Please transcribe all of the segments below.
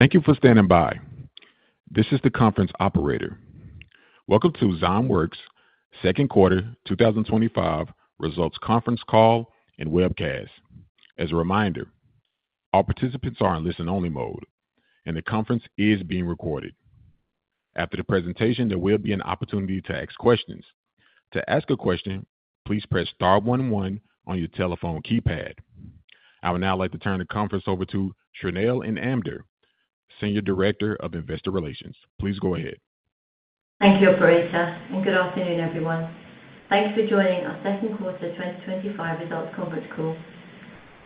Thank you for standing by. This is the conference operator. Welcome to Zymeworks Second Quarter 2025 Results Conference Call and Webcast. As a reminder, all participants are in listen-only mode and the conference is being recorded. After the presentation, there will be an opportunity to ask questions. To ask a question, please press Star one one on your telephone keypad. I would now like to turn the conference over to Shrinal Inamdar, Senior Director of Investor Relations. Please go ahead. Thank you, operator, and good afternoon, everyone. Thank you for joining our second quarter 2025 results conference call.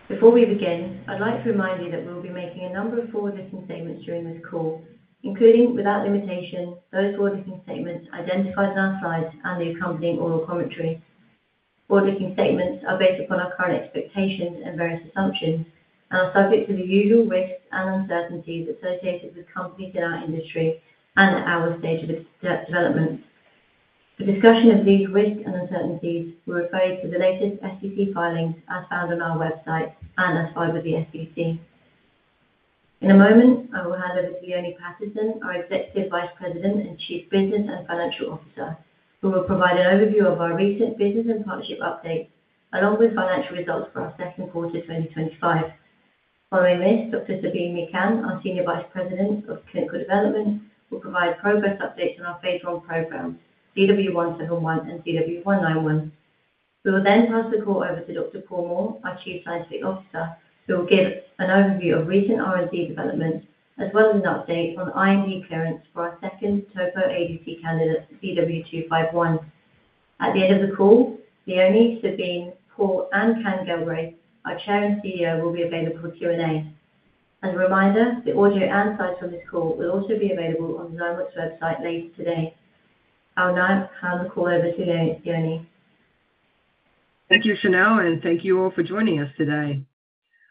Before we begin, I'd like to remind you that we'll be making a number of forward-looking statements during this call, including, without limitation, those forward-looking statements identified in our slides and the accompanying oral commentary. Forward-looking statements are based upon our current expectations and various assumptions and are subject to the usual risks and uncertainties associated with companies in our industry and at our stage of development. For discussion of these risks and uncertainties, we refer you to the latest SEC filings as found on our website and as filed with the SEC. In a moment, I will hand over to Leone Patterson, our Executive Vice President and Chief Financial Officer. We will provide an overview of our. Recent business and partnership update along with financial results for our second quarter 2025. Following this, Dr. Sabeen Mekan, our Senior Vice President of Clinical Development, will provide progress updates on our phase I program, ZW171 and ZW191. We will then pass the call over to Dr. Paul Moore, our Chief Scientific Officer, who will give an overview of recent R&D development as well as an update on IND clearance. Our second Topo ADC candidate, ZW251. At the end of the call, Leone, Sabeen, Paul and Kenneth Galbraith, our Chair and CEO, will be available for Q&A. As a reminder, the audio and slides on this call will also be available on Zymeworks' website later today. I'll now hand the call over to. Leone Thank you, Chanel, and thank you all for joining us today.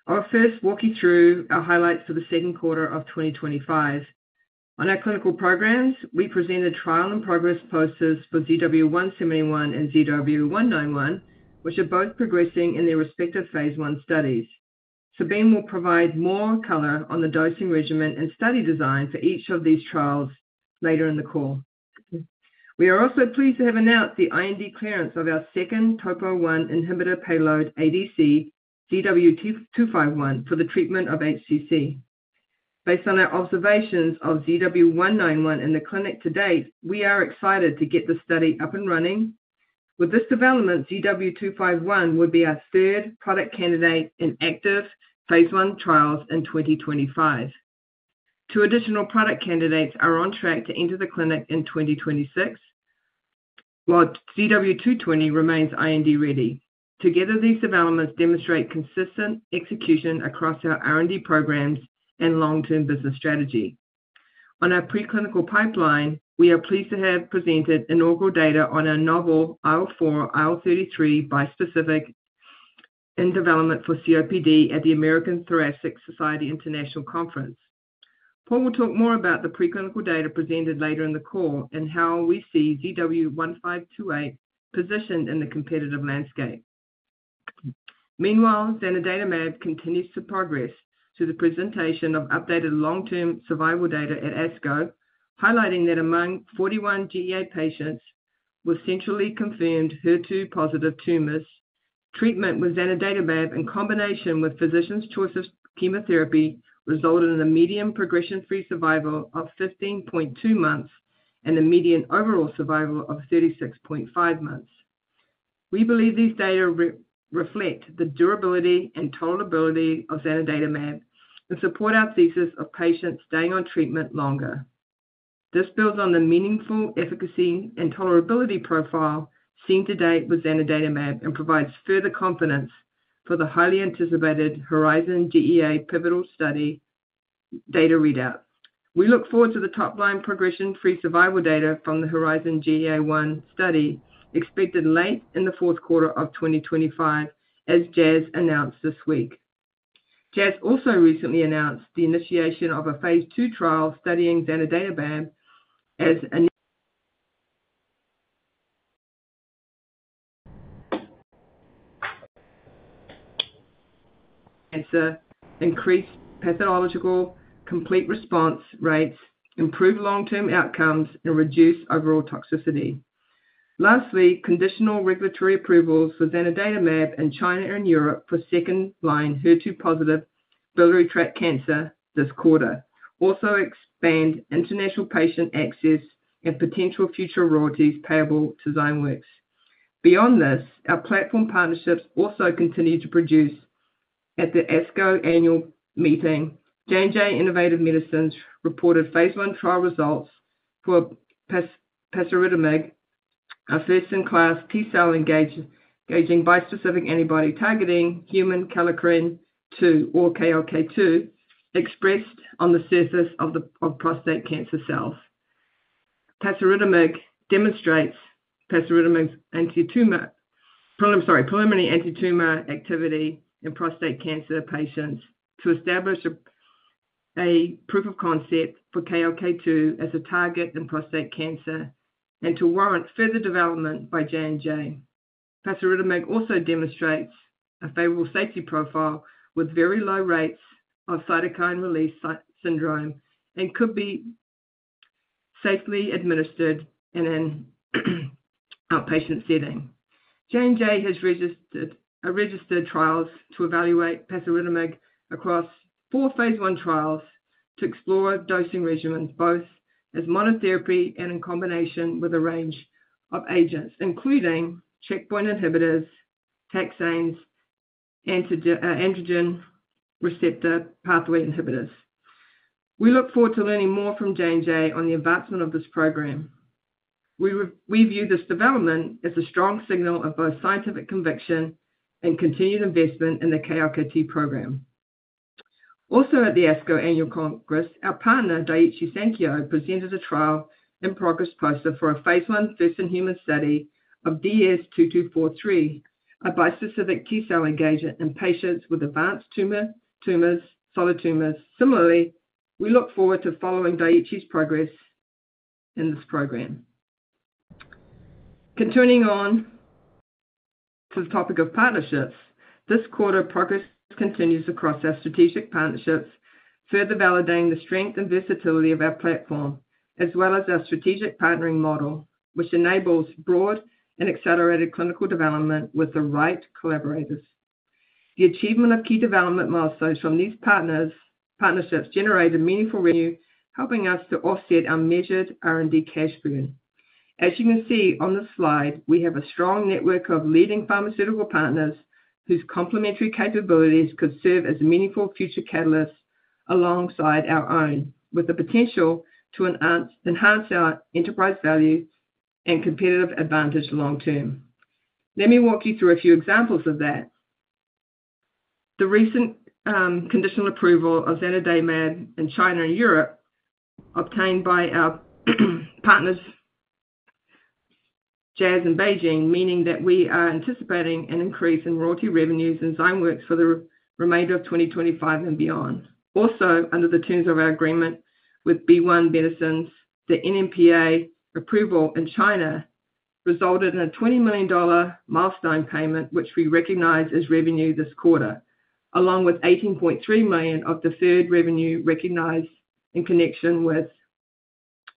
I'll first walk you through our highlights for the second quarter of 2025 on our clinical programs. We presented trial in progress posters for ZW171 and ZW191, which are both progressing in their respective phase I studies. Sabeen will provide more color on the dosing regimen and study design for each of these trials later in the call. We are also pleased to have announced the IND clearance of our second Topo1 inhibitor payload, ADC ZW251, for the treatment of hepatocellular carcinoma. Based on our observations of ZW191 in the clinic to date, we are excited to get the study up and running. With this development, ZW251 would be our third product candidate in active phase I trials in 2025. Two additional product candidates are on track to enter the clinic in 2026 while ZW220 remains IND-ready. Together, these developments demonstrate consistent execution across our R&D programs and long-term business strategy on our preclinical pipeline. We are pleased to have presented inaugural data on our novel IL4Rα/IL-33 bispecific in development for COPD at the American Thoracic Society International Conference. Paul will talk more about the preclinical data presented later in the call and how we see ZW1528 positioned in the competitive landscape. Meanwhile, zanidatamab continues to progress through the presentation of updated long-term survival data at ASCO, highlighting that among 41 GEA patients with centrally confirmed HER2-positive tumors, treatment with zanidatamab in combination with physician's choice of chemotherapy resulted in a median progression-free survival of 15.2 months and a median overall survival of 36.5 months. We believe these data reflect the durability and tolerability of zanidatamab and support our thesis of patients staying on treatment longer. This builds on the meaningful efficacy and tolerability profile seen to date with zanidatamab and provides further confidence for the highly anticipated Horizon GEA pivotal study data readout. We look forward to the top-line progression-free survival data from the Horizon GEA1 study expected late in the fourth quarter of 2025 as Jazz announced this week. Jazz also recently announced the initiation of a phase II trial studying zanidatamab as it aims to increase pathological complete response rates, improve long-term outcomes, and reduce overall toxicity. Lastly, conditional regulatory approvals for zanidatamab in China and Europe for second-line HER2-positive biliary tract cancer this quarter also expand international patient access and potential future royalties payable to Zymeworks. Beyond this, our platform partnerships also continue to produce. At the ASCO Annual Meeting, Johnson & Johnson Innovative Medicines reported phase I trial results for pasiridamab, a first-in-class T cell engaging bispecific antibody targeting human kallikrein 2 or KLK2 expressed on the surface of prostate cancer cells. Pasiridamab demonstrates preliminary antitumor activity in prostate cancer patients to establish a proof of concept for KLK2 as a target in prostate cancer and to warrant further development by J&J. Pasiridamab also demonstrates a favorable safety profile with very low rates of cytokine release syndrome and could be safely administered in an outpatient setting. J&J has registered trials to evaluate pasiridamab across four phase I trials to explore dosing regimens both as monotherapy and in combination with a range of agents including checkpoint inhibitors, taxanes, and antigen receptor pathway inhibitors. We look forward to learning more from J&J on the advancement of this program. We view this development as a strong signal of both scientific conviction and continued investment in the KLK2 program. Also, at the ASCO Annual Congress, our partner Daiichi Sankyo presented a trial-in-progress poster for a phase I first-in-human study of DS2243, a bispecific T cell engager in patients with advanced solid tumors. Similarly, we look forward to following Daiichi's progress in this program. Continuing on to the topic of partnerships this quarter, progress continues across our strategic partnerships, further validating the strength and versatility of our platform as well as our strategic partnering model which enables broad and accelerated clinical development with the right collaborators. The achievement of key development milestones from these partnerships generated meaningful revenue, helping us to offset our measured R&D cash burn. As you can see on the slide, we have a strong network of leading pharmaceutical partners whose complementary capabilities could serve as meaningful future catalysts alongside our own, with the potential to enhance our enterprise value and competitive advantage long term. Let me walk you through a few examples of that. The recent conditional approval of zanidatamab in China and Europe obtained by our partners Jazz Pharmaceuticals and BeiGene, meaning that we are anticipating an increase in royalty revenues at Zymeworks for the remainder of 2025 and beyond. Also under the terms of our agreement with BeiGene, the NMPA approval in China resulted in a $20 million milestone payment which we recognize as revenue this quarter along with $18.3 million of deferred revenue recognized in connection with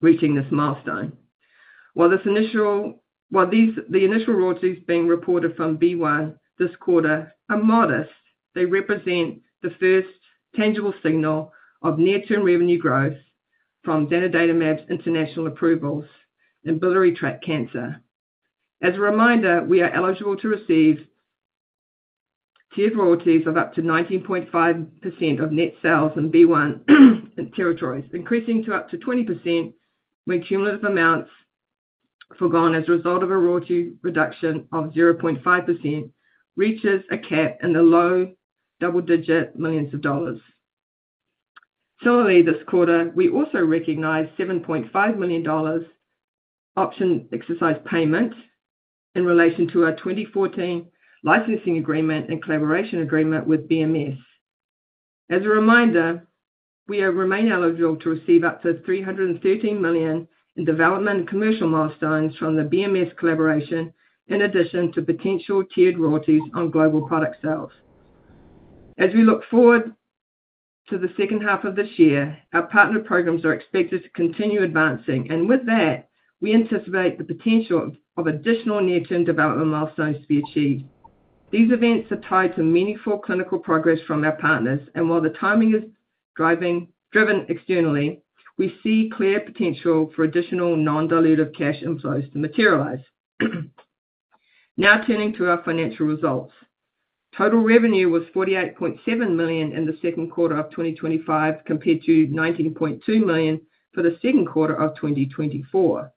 reaching this milestone. While the initial royalties being reported from BeiGene this quarter are modest, they represent the first tangible signal of near term revenue growth from zanidatamab's international approvals in biliary tract cancer. As a reminder, we are eligible to receive tiered royalties of up to 19.5% of net sales in BeiGene territories, increasing to up to 20% when cumulative amounts forgone as a result of a royalty reduction of 0.5% reaches a cap in the low double digit millions of dollars. Similarly, this quarter we also recognized $7.5 million option exercise payments in relation to our 2014 licensing agreement and collaboration agreement with Bristol Myers Squibb. As a reminder, we remain eligible to receive up to $313 million in development and commercial milestones from the Bristol Myers Squibb collaboration in addition to potential tiered royalties on global product sales. As we look forward to the second half of this year, our partner programs are expected to continue advancing and with that we anticipate the potential of additional near term development milestones to be achieved. These events are tied to meaningful clinical progress from our partners and while the timing is driven externally we see clear potential for additional non-dilutive cash inflows to materialize. Now turning to our financial results, total revenue was $48.7 million in the second quarter of 2025 compared to $19.2 million for the second quarter of 2024.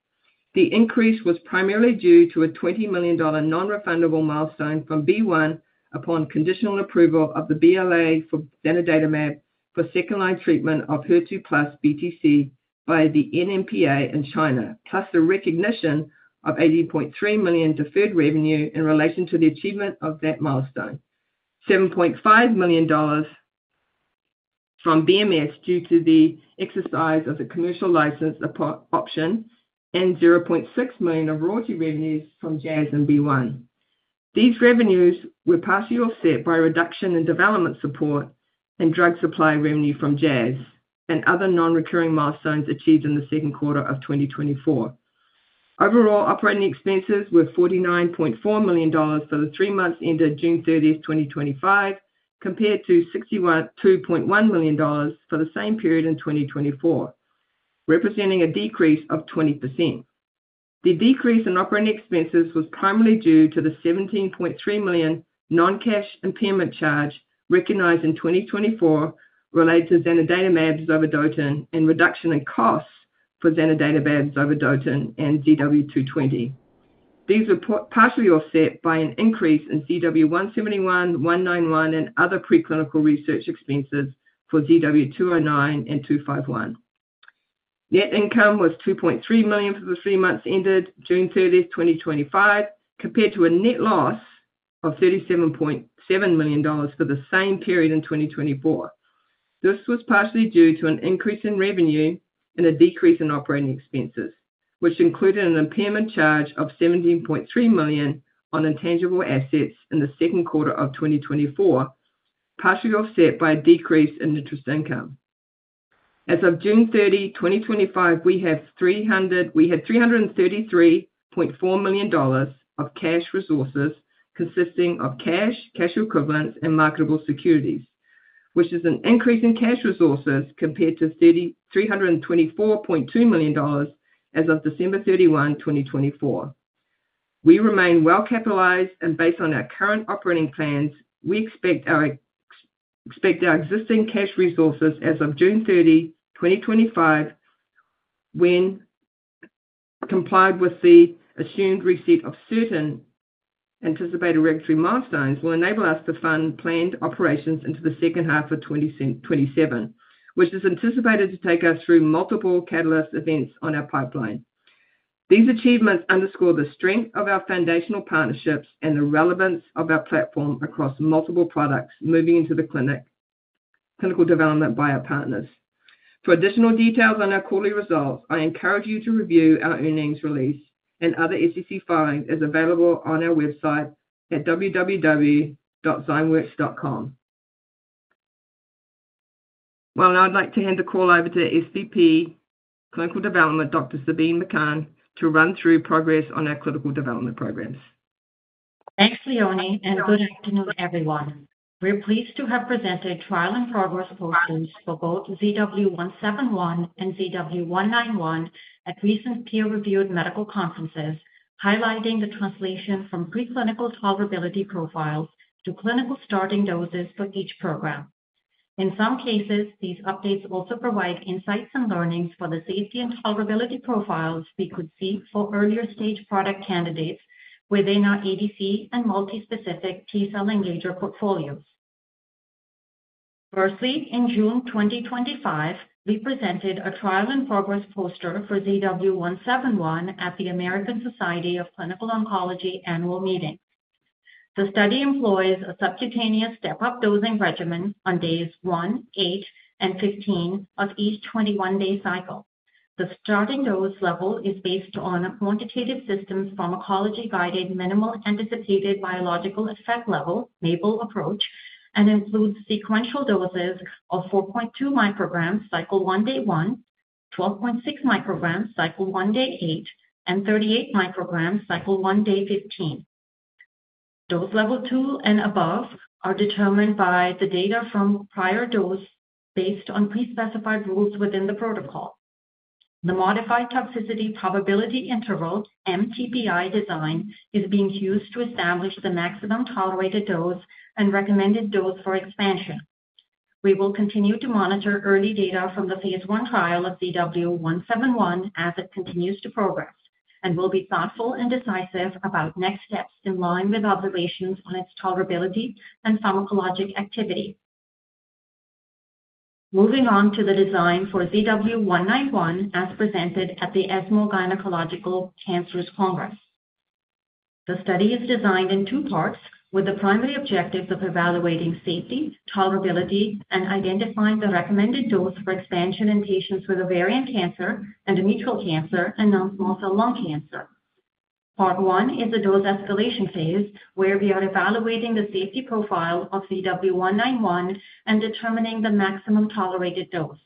The increase was primarily due to a $20 million non-refundable milestone from BeiGene upon conditional approval of the BLA for zanidatamab for second-line treatment of HER2+ BTC by the NMPA in China, plus the recognition of $18.3 million deferred revenue in relation to the achievement of that milestone, $7.5 million from Bristol Myers Squibb due to the exercise of the commercial license option and $0.6 million of royalty revenues from Jazz Pharmaceuticals and BeiGene. These revenues were partially offset by reduction in development support and drug supply revenue from Jazz Pharmaceuticals and other non-recurring milestones achieved in the second quarter of 2024. Overall operating expenses were $49.4 million for the three months ended June 30, 2025, compared to $62.1 million for the same period in 2024, representing a decrease of 20%. The decrease in operating expenses was primarily due to the $17.3 million non-cash impairment charge recognized in 2024 related to zanidatamab, ZW49, and reduction in costs for zanidatamab, ZW49, and ZW220. These were partially offset by an increase in ZW171, ZW191, and other preclinical research expenses for ZW209 and ZW251. Net income was $2.3 million for the three months ended June 30, 2025, compared to a net loss of $37.7 million for the same period in 2024. This was partially due to an increase in revenue and a decrease in operating expenses, which included an impairment charge of $17.3 million on intangible assets in the second quarter of 2024, partially offset by a decrease in interest income. As of June 30, 2025, we had $333 million of cash resources consisting of cash, cash equivalents, and marketable securities, which is an increase in cash resources compared to $324.2 million as of December 31, 2024. We remain well capitalized and based on our current operating plans, we expect our existing cash resources as of June 30, 2025, when combined with the assumed reset of certain anticipated regulatory milestones, will enable us to fund planned operations into the second half of 2027, which is anticipated to take us through multiple catalyst events on our pipeline. These achievements underscore the strength of our foundational partnerships and the relevance of our platform across multiple products moving into Clinical Development by our partners. For additional details on our quarterly results, I encourage you to review our earnings release and other SEC filings available on our website at www.zymeworks.com. I would now like to hand the call over to the SVP, Clinical Development, Dr. Sabeen Mekan, to run through progress on our clinical development programs. Thanks Leone and good afternoon everyone. We're pleased to have presented trial in progress postings for both ZW171 and ZW191 at recent peer-reviewed medical conferences, highlighting the translation from preclinical tolerability profiles to clinical starting doses for each program. In some cases, these updates also provide insights and learnings for the safety and tolerability profiles we could see for earlier stage product candidates within our ADC and multispecific T Cell Engager portfolios. Firstly, in June 2025 we presented a trial in progress poster for ZW171 at the American Society of Clinical Oncology Annual Meeting. The study employs a subcutaneous step-up dosing regimen on days one, eight, and 15 of each 21-day cycle. The starting dose level is based on a quantitative systems pharmacology-guided minimal anticipated biological effect level approach and includes sequential doses of 4.2 μg cycle one day one, 12.6 μg cycle one day eight, and 38 μg cycle one day 15. Dose level two and above are determined by the data from prior dose based on prespecified rules within the protocol. The modified toxicity probability interval (MTPI) design is being used to establish the maximum tolerated dose and recommended dose for expansion. We will continue to monitor early data from the phase I trial of ZW171 as it continues to progress and will be thoughtful and decisive about next steps in line with observations on its tolerability and pharmacologic activity. Moving on to the design for ZW191 as presented at the ESMO Gynaecological Cancers Congress. The study is designed in two parts with the primary objectives of evaluating safety, tolerability, and identifying the recommended dose for expansion in patients with ovarian cancer, endometrial cancer, and non-small cell lung cancer. Part one is a dose escalation phase where we are evaluating the safety profile of ZW191 and determining the maximum tolerated dose.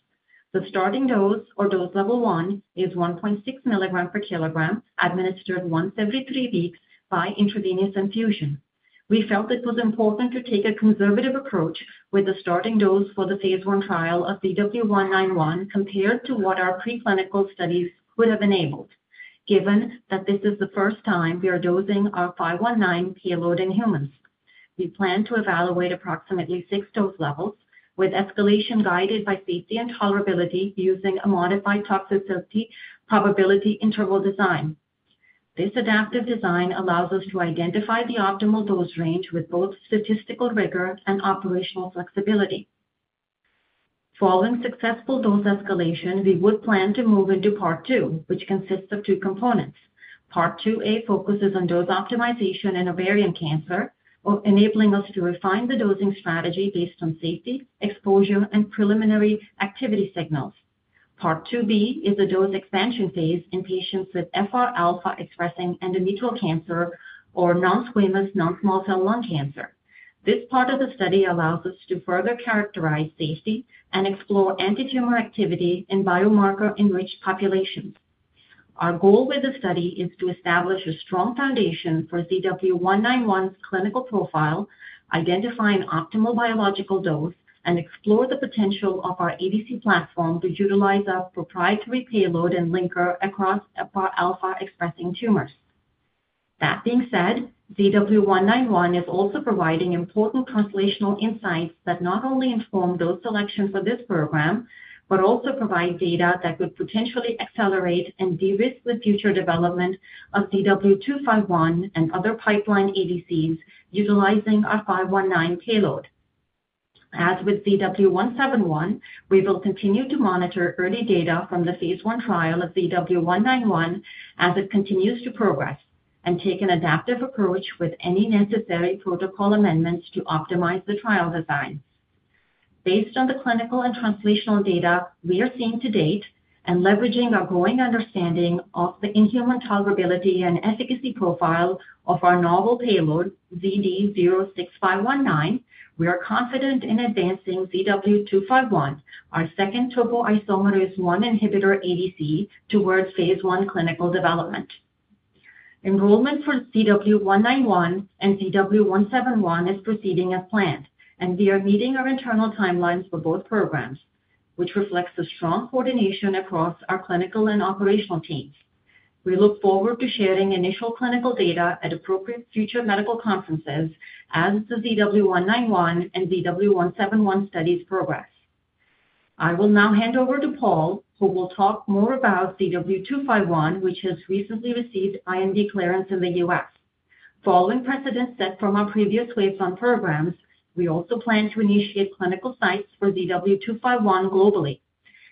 The starting dose or dose level one is 1.6 mg/kg administered once every three weeks by intravenous infusion. We felt it was important to take a conservative approach with the starting dose for the phase I trial of ZW191 compared to what our preclinical studies would have enabled. Given that this is the first time we are dosing our 519 payload in humans, we plan to evaluate approximately six dose levels with escalation guided by safety and tolerability using a modified toxicity probability interval design. This adaptive design allows us to identify the optimal dose range with both statistical rigor and operational flexibility. Following successful dose escalation, we would plan to move into part 2, which consists of two components. Part 2a focuses on dose optimization in ovarian cancer, enabling us to refine the dosing strategy based on safety, exposure, and preliminary activity signals. Part 2b is the dose expansion phase in patients with FR Alpha-expressing endometrial cancer or non-squamous non-small cell lung cancer. This part of the study allows us to further characterize safety and explore anti-tumor activity in biomarker-enriched populations. Our goal with the study is to establish a strong foundation for ZW191's clinical profile, identify an optimal biological dose, and explore the potential of our ADC platform to utilize our proprietary payload and linker across FR Alpha-expressing tumors. That being said, ZW191 is also providing important translational insights that not only inform dose selections for this program, but also provide data that would potentially accelerate and de-risk the future development of ZW251 and other pipeline ADCs utilizing our Z519 payload. As with ZW171, we will continue to monitor early data from the phase I trial of ZW191 as it continues to progress and take an adaptive approach with any necessary protocol amendments to optimize the trial design based on the clinical and translational data we are seeing to date. Leveraging our growing understanding of the in-human tolerability and efficacy profile of our novel payload ZD06519, we are confident in advancing ZW251, our second topoisomerase I inhibitor ADC, towards phase I clinical development. Enrollment for ZW191 and ZW171 is proceeding as planned, and we are meeting our internal timelines for both programs, which reflects the strong coordination across our clinical and operational teams. We look forward to sharing initial clinical data at appropriate futuremedical conferences as the ZW191 and ZW171 studies progress. I will now hand over to Paul, who will talk more about ZW251, which has recently received IND clearance in the U.S. Following precedents set from our previous wave of programs, we also plan to initiate clinical sites for ZW251 globally,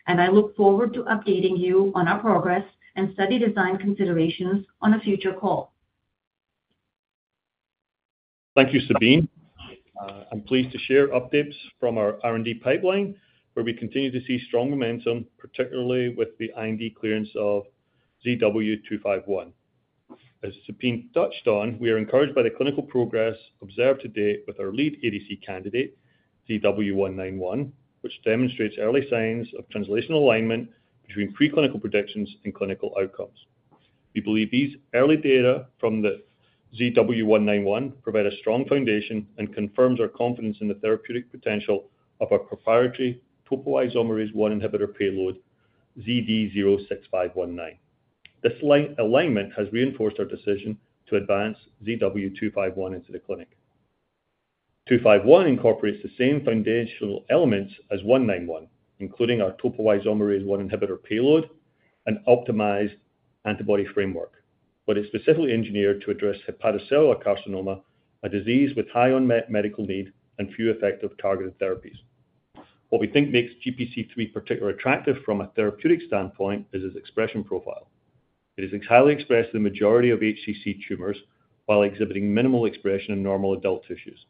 and I look forward to updating you on our progress and study design considerations on a future call. Thank you, Sabeen. I'm pleased to share updates from our R&D pipeline where we continue to see strong momentum, particularly with the IND clearance of ZW251 as Sabeen touched on. We are encouraged by the clinical progress observed to date with our lead ADC candidate ZW191, which demonstrates early signs of translational alignment between preclinical predictions and clinical outcomes. We believe these early data from ZW191 provide a strong foundation and confirm our confidence in the therapeutic potential of our proprietary topoisomerase 1 inhibitor payload ZD06519. This alignment has reinforced our decision to advance ZW251 into the clinic. ZW251 incorporates the same foundational elements as ZW191, including our topoisomerase 1 inhibitor payload and an optimized antibody framework, but it's specifically engineered to address hepatocellular carcinoma, a disease with high unmet medical need and few effective targeted therapies. What we think makes GPC3 particularly attractive from a therapeutic standpoint is its expression profile. It is highly expressed in the majority of HCC tumors while exhibiting minimal expression in normal adult tissues.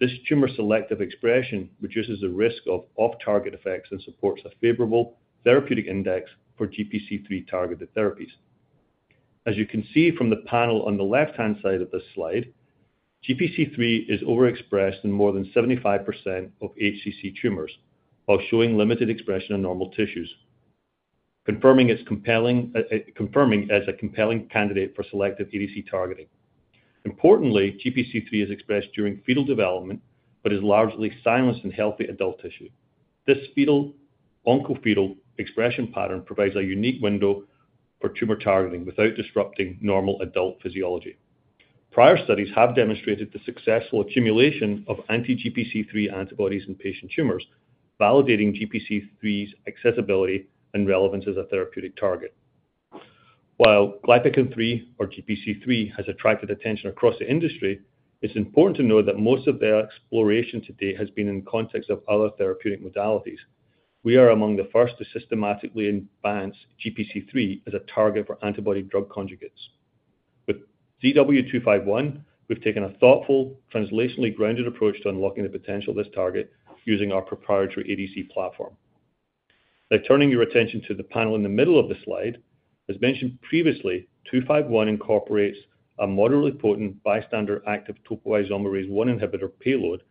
This tumor-selective expression reduces the risk of off-target effects and supports a favorable therapeutic index for GPC3-targeted therapies. As you can see from the panel on the left-hand side of this slide, GPC3 is overexpressed in more than 75% of HCC tumors while showing limited expression on normal tissues, confirming it as a compelling candidate for selective ADC targeting. Importantly, GPC3 is expressed during fetal development but is largely silenced in healthy adult tissue. This oncofetal expression pattern provides a unique window for tumor targeting without disrupting normal adult physiology. Prior studies have demonstrated the successful accumulation of anti-GPC3 antibodies in patient tumors, validating GPC3's accessibility and relevance as a therapeutic target. While GPC3 has attracted attention across the industry, it's important to note that most of the exploration to date has been in the context of other therapeutic modalities. We are among the first to systematically advance GPC3 as a target for antibody-drug conjugates with ZW251. We've taken a thoughtful, translationally grounded approach to unlocking the potential of this target using our proprietary ADC platform. Now, turning your attention to the panel in the middle of this slide. As mentioned previously, ZW251 incorporates a moderately potent bystander active topoisomerase 1 inhibitor payload,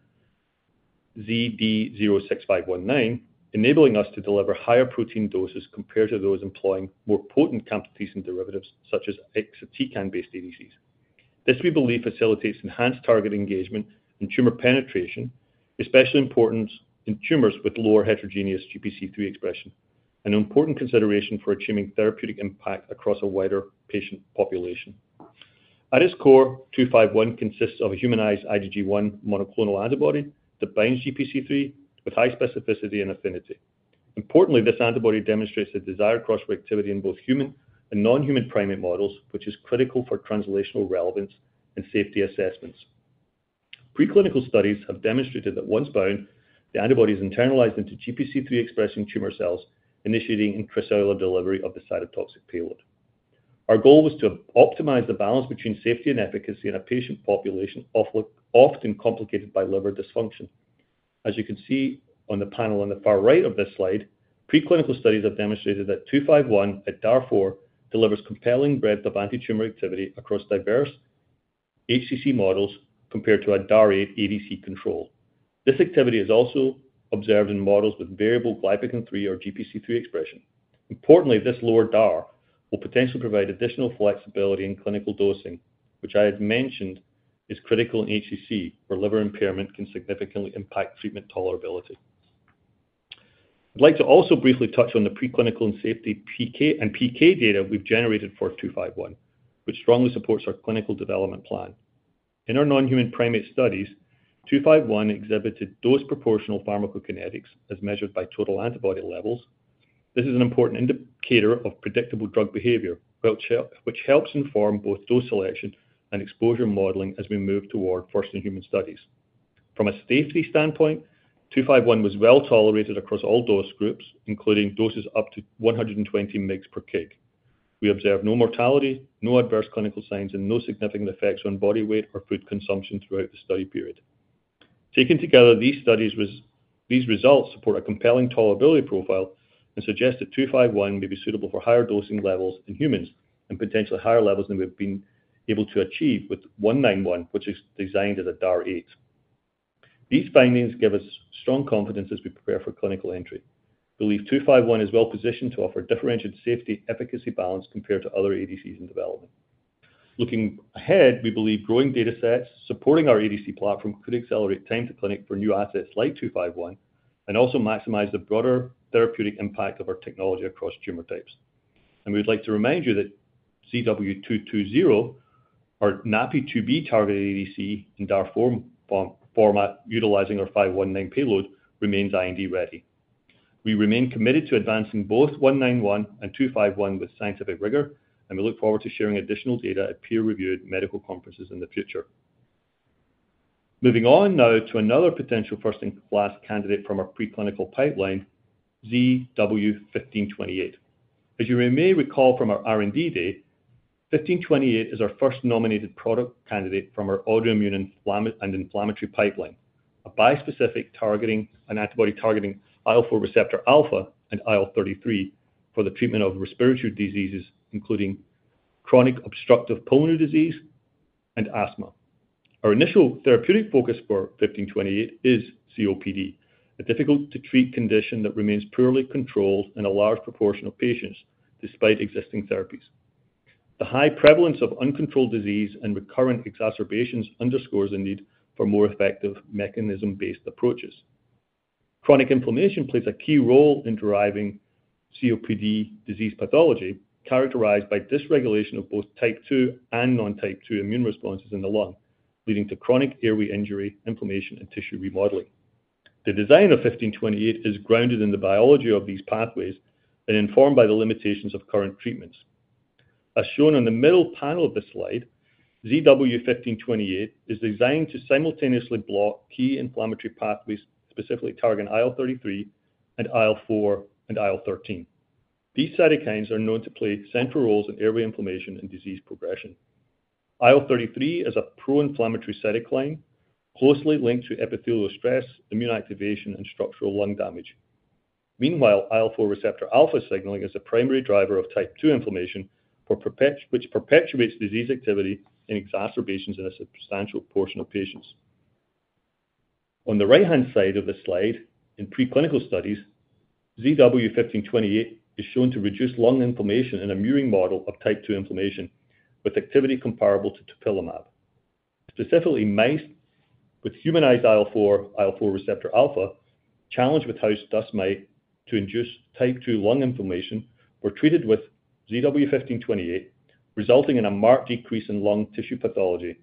ZD06519, enabling us to deliver higher protein doses compared to those employing more potent camptothecin derivatives such as ixatecan-based ADCs. This, we believe, facilitates enhanced target engagement and tumor penetration, especially important in tumors with lower, heterogeneous GPC3 expression, an important consideration for achieving therapeutic impact across a wider patient population. At its core, ZW251 consists of a humanized IgG1 monoclonal antibody that binds GPC3 with high specificity and affinity. Importantly, this antibody demonstrates the desired cross-reactivity in both human and non-human primate models, which is critical for translational relevance and safety assessments. Preclinical studies have demonstrated that once bound, the antibody is internalized into GPC3-expressing tumor cells, initiating intracellular delivery of the cytotoxic payload. Our goal was to optimize the balance between safety and efficacy in a patient population often complicated by liver dysfunction. As you can see on the panel on the far right of this slide, preclinical studies have demonstrated that ZW251 at DAR 4 delivers compelling breadth of antitumor activity across diverse HCC models compared to a DAR 8 ADC control. This activity is also observed in models with variable glypican-3 or GPC3 expression. Importantly, this lower DAR will potentially provide additional flexibility in clinical dosing, which I had mentioned is critical in HCC where liver impairment can significantly impact treatment tolerability. I'd like to also briefly touch on the preclinical and safety PK and PK data we've generated for ZW251, which strongly supports our clinical development plan. In our non-human primate studies, ZW251 exhibited dose-proportional pharmacokinetics as measured by total antibody levels. This is an important indicator of predictable drug behavior, which helps inform both dose selection and exposure modeling as we move toward first-in-human studies. From a safety standpoint, ZW251 was well tolerated across all dose groups, including doses up to 1,120 m. We observed no mortality, no adverse clinical signs, and no significant effects on body weight or food consumption throughout the study period. Taken together, these results support a compelling tolerability profile and suggest that ZW251 may be suitable for higher dosing levels in humans and potentially higher levels than we've been able to achieve with ZW191, which is designed at a DAR 8. These findings give us strong confidence as we prepare for clinical entry and believe ZW251 is well positioned to offer differentiated safety efficacy balance compared to other ADCs in development. Looking ahead, we believe growing data sets supporting our ADC platform could accelerate time to clinic for new assets like ZW251 and also maximize the broader therapeutic impact of our technology across tumor types. We would like to remind you that ZW220, our NAPI2B targeted ADC in Darfor bomb format utilizing our 519 payload, remains IND ready. We remain committed to advancing both ZW191 and ZW251 with scientific rigor and we look forward to sharing additional data at peer-reviewed medical conferences in the future. Moving on now to another potential first-in-class candidate from our preclinical pipeline, ZW1528. As you may recall from our R&D Day, ZW1528 is our first nominated product candidate from our autoimmune and inflammatory pipeline, a bispecific antibody targeting IL4 receptor alpha and IL33 for the treatment of respiratory diseases including chronic obstructive pulmonary disease and asthma. Our initial therapeutic focus for ZW1528 is COPD, a difficult to treat condition that remains poorly controlled in a large proportion of patients despite existing therapies. The high prevalence of uncontrolled disease and recurrent exacerbations underscores the need for more effective mechanism-based approaches. Chronic inflammation plays a key role in driving COPD disease pathology, characterized by dysregulation of both type 2 and non-type 2 immune responses in the lung, leading to chronic airway injury, inflammation, and tissue remodeling. The design of ZW1528 is grounded in the biology of these pathways and informed by the limitations of current treatments. As shown on the middle panel of the slide, ZW1528 is designed to simultaneously block key inflammatory pathways, specifically targeting IL33 and IL4 and IL13. These cytokines are known to play central roles in airway inflammation and disease progression. IL33 is a pro-inflammatory cytokine closely linked to epithelial stress, immune activation, and structural lung damage. Meanwhile, IL4 receptor alpha signaling is the primary driver of type 2 inflammation, which perpetuates disease activity in exacerbations in a substantial portion of patients on the right-hand side of the slide. In preclinical studies, ZW1528 is shown to reduce lung inflammation in a murine model of type 2 inflammation with activity comparable to dupilumab. Specifically, mice with humanized IL4 and IL4 receptor alpha challenged with house dust mite to induce type 2 lung inflammation were treated with ZW1528, resulting in a marked decrease in lung tissue pathology,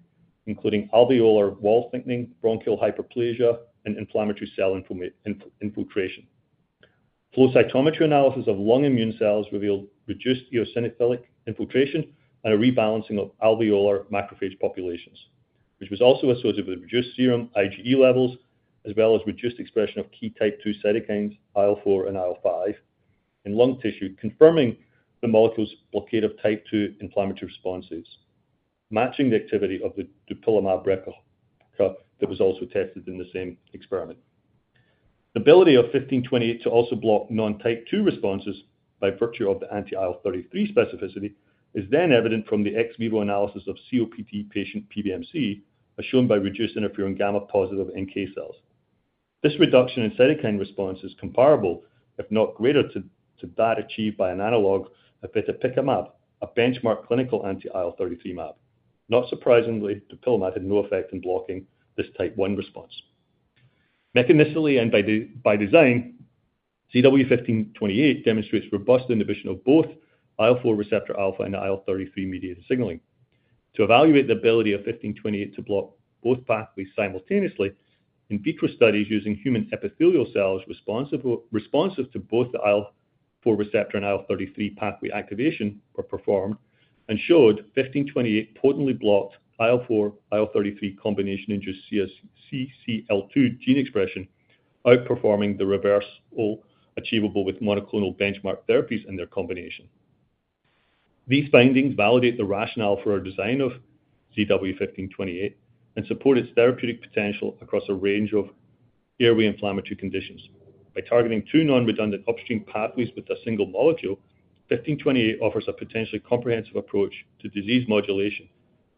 including alveolar wall thickening, bronchial hyperplasia, and inflammatory cell infiltration. Flow cytometry analysis of lung immune cells revealed reduced eosinophilic infiltration and a rebalancing of alveolar macrophage populations, which was also associated with reduced serum IgE levels as well as reduced expression of key type 2 cytokines IL4 and IL5 in lung tissue, confirming the molecule's blockade of type 2 inflammatory responses matching the activity of the dupilumab replica that was also tested in the same experiment. The ability of ZW1528 to also block non-type 2 responses by virtue of the anti-IL33 specificity is then evident from the ex vivo analysis of COPD patient PBMCs, as shown by reducing IFN-gamma positive NK cells. This reduction in cytokine response is comparable, if not greater, to that achieved by an analog, abitapicamab, a benchmark clinical anti-IL33 mAb. Not surprisingly, dupilumab had no effect in blocking this type 1 response. Mechanically and by design, ZW1528 demonstrates robust inhibition of both IL4 receptor alpha and IL33-mediated signaling. To evaluate the ability of ZW1528 to block both pathways simultaneously, in vitro studies using human epithelial cells responsive to both the IL4 receptor and IL33 pathway activation were performed and showed ZW1528 potently blocked IL4 and IL33 combination-induced CCL2 gene expression, outperforming the results achievable with monoclonal benchmark therapies and their combination. These findings validate the rationale for our design of ZW1528 and support its therapeutic potential across a range of airway inflammatory conditions. By targeting two non-redundant upstream pathways with a single molecule, ZW1528 offers a potentially comprehensive approach to disease modulation,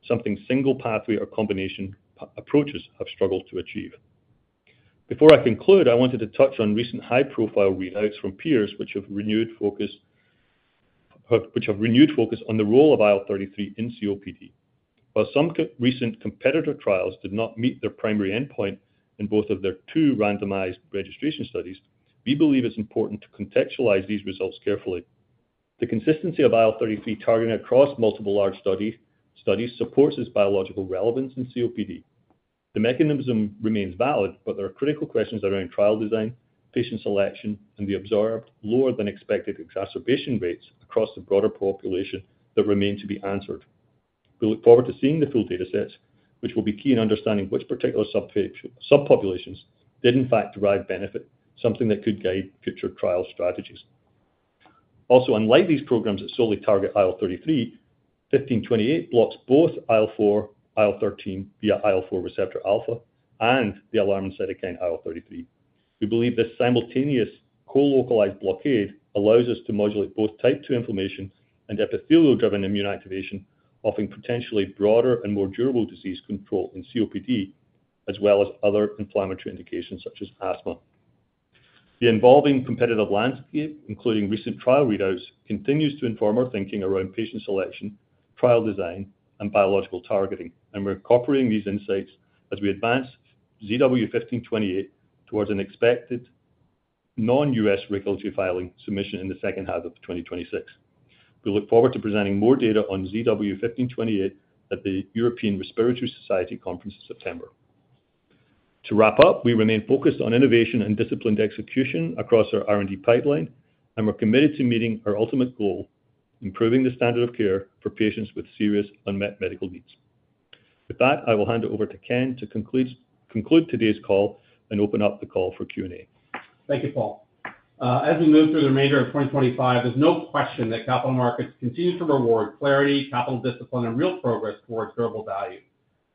something single pathway or combination approaches have struggled to achieve. Before I conclude, I wanted to touch on recent high-profile readouts from peers which have renewed focus on the role of IL33 in COPD. While some recent competitor trials did not meet their primary endpoint in both of their two randomized registration studies, we believe it's important to contextualize these results carefully. The consistency of IL33 targeting across multiple large studies supports its biological relevance in COPD. The mechanism remains valid, but there are critical questions around trial design, patient selection, and the observed lower than expected exacerbation rates across the broader population that remain to be answered. We look forward to seeing the full data sets, which will be key in understanding which particular subpopulations did in fact derive benefit, something that could guide future trial strategies. Also, unlike these programs that solely target IL33, ZW1528 blocks both IL4, IL13 via IL4 receptor alpha, and the alarmin cytokine IL33. We believe this simultaneous co-localized blockade allows us to modulate both type 2 inflammation and epithelial-driven immune activation, offering potentially broader and more durable disease control in COPD as well as other inflammatory indications such as asthma. The evolving competitive landscape, including recent trial readouts, continues to inform our thinking around patient selection, trial design, and biological targeting, and we're incorporating these insights as we advance ZW1528 towards an expected non-U.S. regulatory filing submission in the second half of 2026. We look forward to presenting more data on ZW1528 at the European Respiratory Society Conference in September. To wrap up, we remain focused on innovation and disciplined execution across our R&D pipeline, and we're committed to meeting our ultimate goal of improving the standard of care for patients with serious unmet medical needs. With that, I will hand it over to Ken to conclude today's call and open up the call for Q&A. Thank you, Paul. As we move through the remainder of 2025, there's no question that capital markets continue to reward clarity, capital discipline, and real progress towards durable value.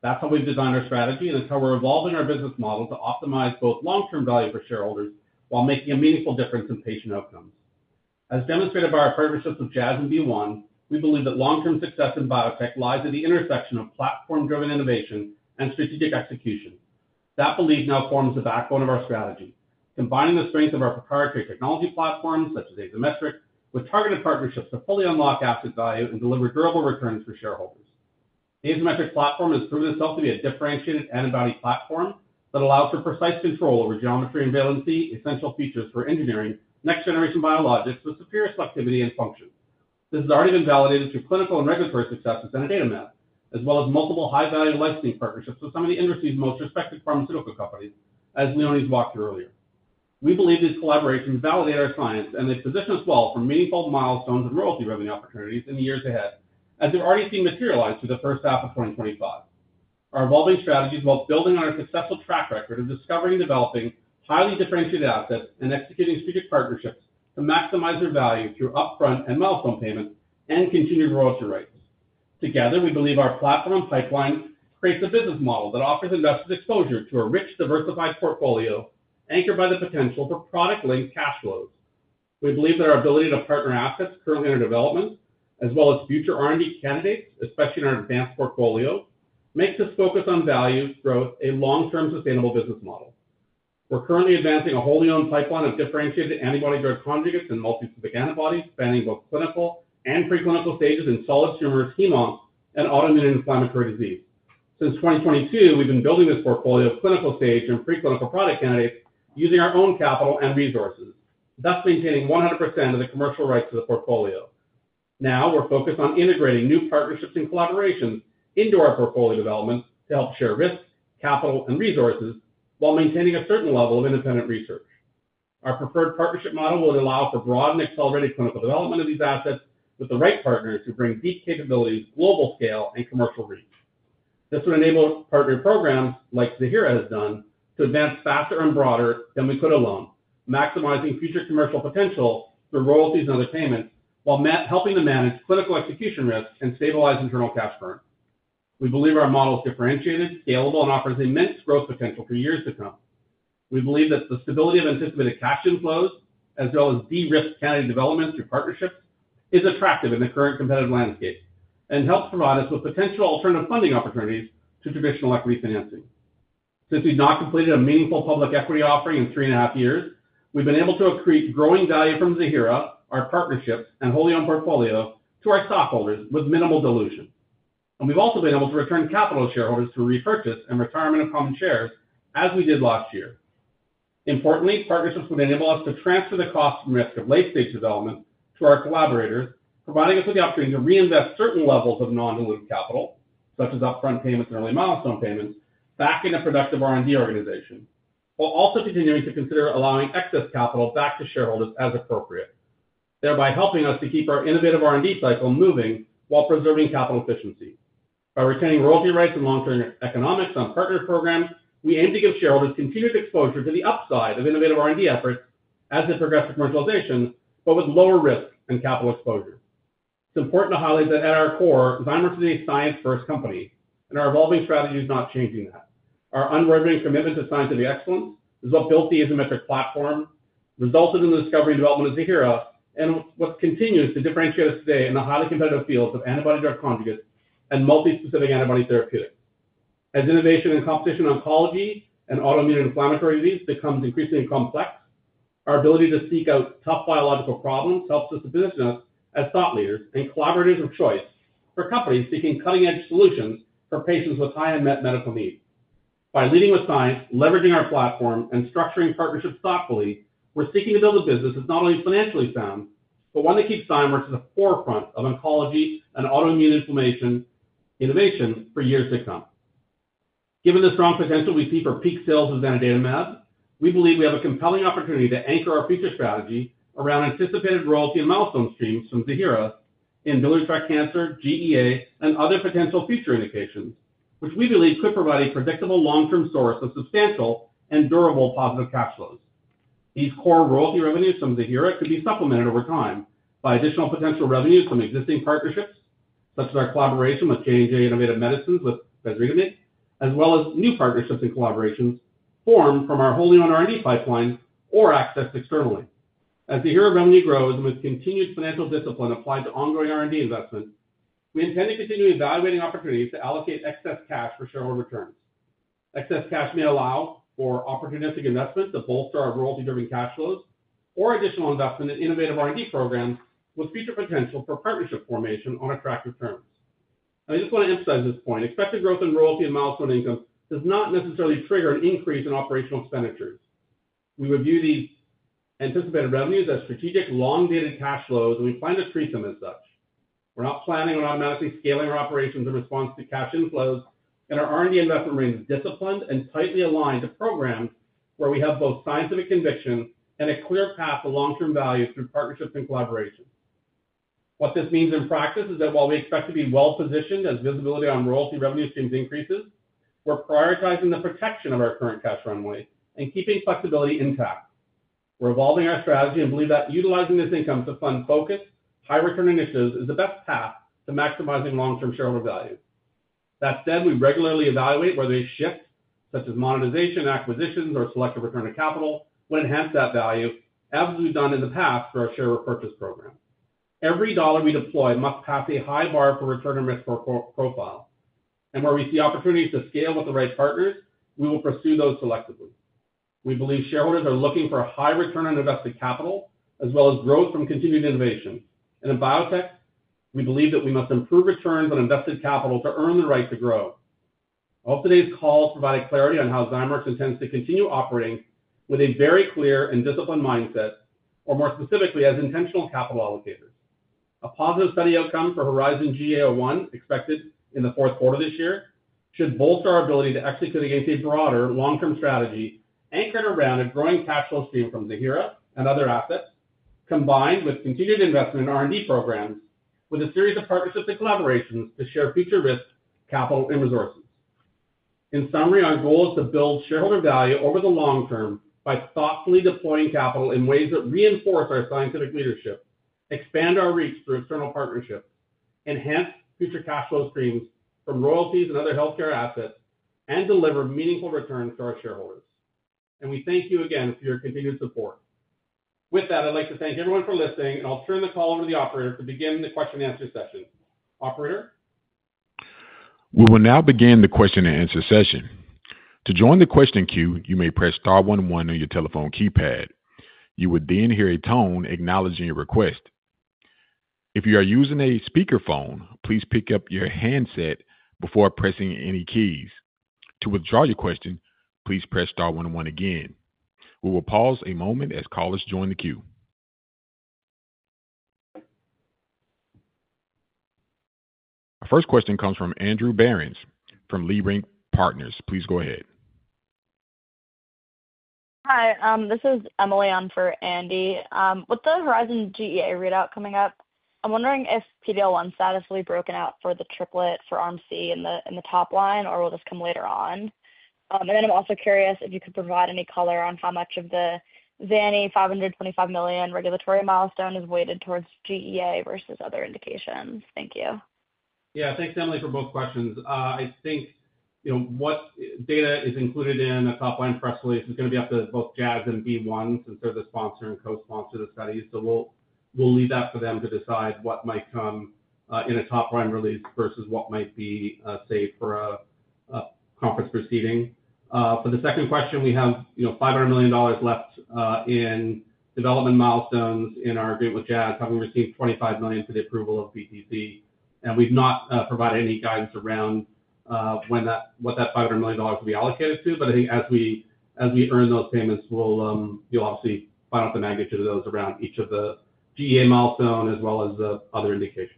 That's how we've designed our strategy, and that's how we're evolving our business model to optimize both long-term value for shareholders while making a meaningful difference in patient outcomes as demonstrated by our partnerships with Jazz Pharmaceuticals. We believe that long-term success in biotech lies at the intersection of platform-driven innovation and strategic execution. That belief now forms the backbone of our strategy, combining the strengths of our proprietary technology platforms such as Azymetric with targeted partnerships to fully unlock asset value and deliver durable returns for shareholders. Azymetric technology has proven itself to be a differentiated antibody platform that allows for precise control over geometry and valency, essential features for engineering next-generation biologics with superior selectivity and function. This has already been validated through clinical and regulatory successes in zanidatamab as well as multiple high-value licensing partnerships with some of the industry's most respected pharmaceutical companies. As Leone's walked through earlier, we believe these collaborations validate our science, and they position us well for meaningful milestones and royalty revenue opportunities in the years ahead as they're already seeing materialize through the first half of 2025. Our evolving strategy is building on our successful track record of discovering and developing highly differentiated assets and executing strategic partnerships to maximize our value through upfront and milestone payments and continued royalty rights. Together, we believe our platform pipeline creates a business model that offers investors exposure to a rich, diversified portfolio anchored by the potential for product-linked cash flows. We believe that our ability to partner assets currently under development as well as future R&D candidates, especially in our advanced portfolio, makes this focus on value growth a long-term sustainable business model. We're currently advancing a wholly owned pipeline of differentiated antibody-drug conjugates and multiple antibodies spanning both clinical and preclinical stages in solid tumors, chemo, and autoimmune inflammatory disease. Since 2022, we've been building this portfolio of clinical stage and preclinical product candidates using our own capital and resources, thus maintaining 100% of the commercial rights of the portfolio. Now we're focused on integrating new partnerships and collaborations into our portfolio development to help share risk capital and resources while maintaining a certain level of independent research. Our preferred partnership model would allow for broad and accelerated clinical development of these assets with the right partners who bring deep capabilities, global scale, and commercial reach. This would enable partner programs like Ziihera has done to advance faster and broader than we could alone, maximizing future commercial potential for royalties and other payments while helping to manage clinical execution risk and stabilize internal cash burn. We believe our model is differentiated, scalable, and offers immense growth potential for years to come. We believe that the stability of anticipated cash inflow as well as de-risk category developments through partnership is attractive in the current competitive landscape and helps provide us with potential alternative funding opportunities to traditional equity financing. Since we've not completed a meaningful public equity offering in three and a half years, we've been able to accrete growing value from Ziihera, our partnership and wholly owned portfolio to our stockholders with minimal dilution, and we've also been able to return capital to shareholders through repurchase and retirement of common shares as we did last year. Importantly, partnerships would enable us to transfer the cost and risk of late stage development to our collaborators, providing us with the opportunity to reinvest certain levels of non-diluted capital such as upfront payments and early milestone payments back in a productive R&D organization while also continuing to consider allowing excess capital back to shareholders as appropriate, thereby helping us to keep our innovative R&D cycle moving while preserving capital efficiency. By retaining royalty rights and long term economics on partner programs, we aim to give shareholders continued exposure to the upside of innovative R&D efforts as they progress to commercialization, but with lower risk and capital exposure. It's important to highlight that at our core, Zymeworks is a science-first company and our evolving strategy is not changing that. Our unrelenting commitment to science and excellence is what built the Azymetric platform, resulted in the discovery and development of Ziihera, and what continues to differentiate us today in the highly competitive fields of antibody-drug conjugates and multispecific antibody therapeutics. As innovation and competition in oncology and autoimmune inflammatory disease becomes increasingly complex, our ability to seek out tough biological problems helps to position us as thought leaders and collaborators of choice for companies seeking cutting-edge solutions for patients with high unmet medical needs. By leading with science, leveraging our platform, and structuring partnerships thoughtfully, we're seeking to build a business that's not only financially sound, but one that keeps Zymeworks in the forefront of oncology and autoimmune inflammation innovation for years to come. Here, given the strong potential we see for peak sales of zanidatamab, we believe we have a compelling opportunity to anchor our future strategy around anticipated royalty and milestone streams from zanidatamab in biliary tract cancer, GEA, and other potential future indications, which we believe could provide a predictable long-term source of substantial and durable positive cash flows. These core royalty revenues from zanidatamab could be supplemented over time by additional potential revenues from existing partnerships such as our collaboration with Johnson & Johnson Innovative Medicines with Ziihera, as well as new partnerships and collaborations formed from our wholly owned R&D pipeline or accessed externally. As the zanidatamab revenue grows and with continued financial discipline applied to ongoing R&D investment, we intend to continue evaluating opportunities to allocate excess cash for shareholder returns. Excess cash may allow for opportunistic investment to bolster our royalty-driven cash flow or additional investment in innovative R&D programs with future potential for partnership formation on attractive terms. I just want to emphasize this point. Expected growth in royalty and milestone income does not necessarily trigger an increase in operational expenditures. We review the anticipated revenues as strategic long-dated cash flows and we plan to preserve them. As such, we're not planning on automatically scaling our operations in response to cash inflows and our R&D and must remain disciplined and tightly aligned to programs where we have both scientific conviction and a clear path to long-term value through partnerships and collaboration. What this means in practice is that while we expect to be well positioned as visibility on royalty revenue streams increases, we're prioritizing the protection of our current cash runway and keeping flexibility intact. We're evolving our strategy and believe that utilizing this income to fund focused high-return initiatives is the best path to maximizing long-term shareholder value. That said, we regularly evaluate where leadership such as monetization, acquisitions, or selective return of capital will enhance that value, as we've done in the past for our share repurchase program. Every dollar we deploy must pass a high bar for return and risk profile, and where we see opportunities to scale with the right partner, we will pursue those selectively. We believe shareholders are looking for a high return on invested capital as well as growth from continued innovation, and in biotech, we believe that we must improve returns on invested capital to earn the right to grow. I hope today's call provided clarity on how Zymeworks intends to continue operating with a very clear and disciplined mindset, or more specifically, as intentional capital allocators. A positive study outcome for HERIZON-GEA-01 expected in the fourth quarter this year should bolster our ability to execute against a broader long-term strategy anchored around a growing taxable stream from the HER2 and other assets, combined with continued investment in R&D programs, with a series of partnerships and collaborations to share future risk, capital, and resources. In summary, our goal is to build shareholder value over the long term by thoughtfully deploying capital in ways that reinforce our scientific leadership, expand our reach through external partnerships, enhance future cash flow streams from royalties and other healthcare assets, and deliver meaningful returns to our shareholders. We thank you again for your continued support. With that, I'd like to thank everyone for listening and I'll turn the call over to the operator to begin the question and answer session. Operator. We will now begin the question and answer session. To join the question queue, you may press Star one one on your telephone keypad. You would then hear a tone acknowledging your request. If you are using a speakerphone, please pick up your handset before pressing any keys. To withdraw your question, please press Star one one again, we will pause a moment as callers join the queue. Our first question comes from Andrewe Behrens from Leerink Partners. Please go ahead. Hi, this is Emily on for Andy. With the Horizon GEA readout coming up, I'm wondering if PD-L1 status will be broken out for the triplet for arm C in the top line, or will this come later on? I'm also curious if you could provide any color on how much of the $525 million regulatory milestone is weighted towards GEA versus other indications. Thank you. Yeah, thanks Emily for both questions. I think you know what data is included in a top line press release is going to be up to both Jazz and BeiGene since they're the sponsor and co-sponsor of the study. We'll leave that for them to decide what might come in a top line release versus what might be, say, for a conference proceeding. For the second question, we have, you know, $500 million left in development milestones in our agreement with Jazz, having received $25 million to the approval of BTC, and we've not provided any guidance around when that, what that $500 million will be allocated to. I think as we earn those payments, you'll obviously find out the magnitude of those around each of the GEA milestones as well as the other indications.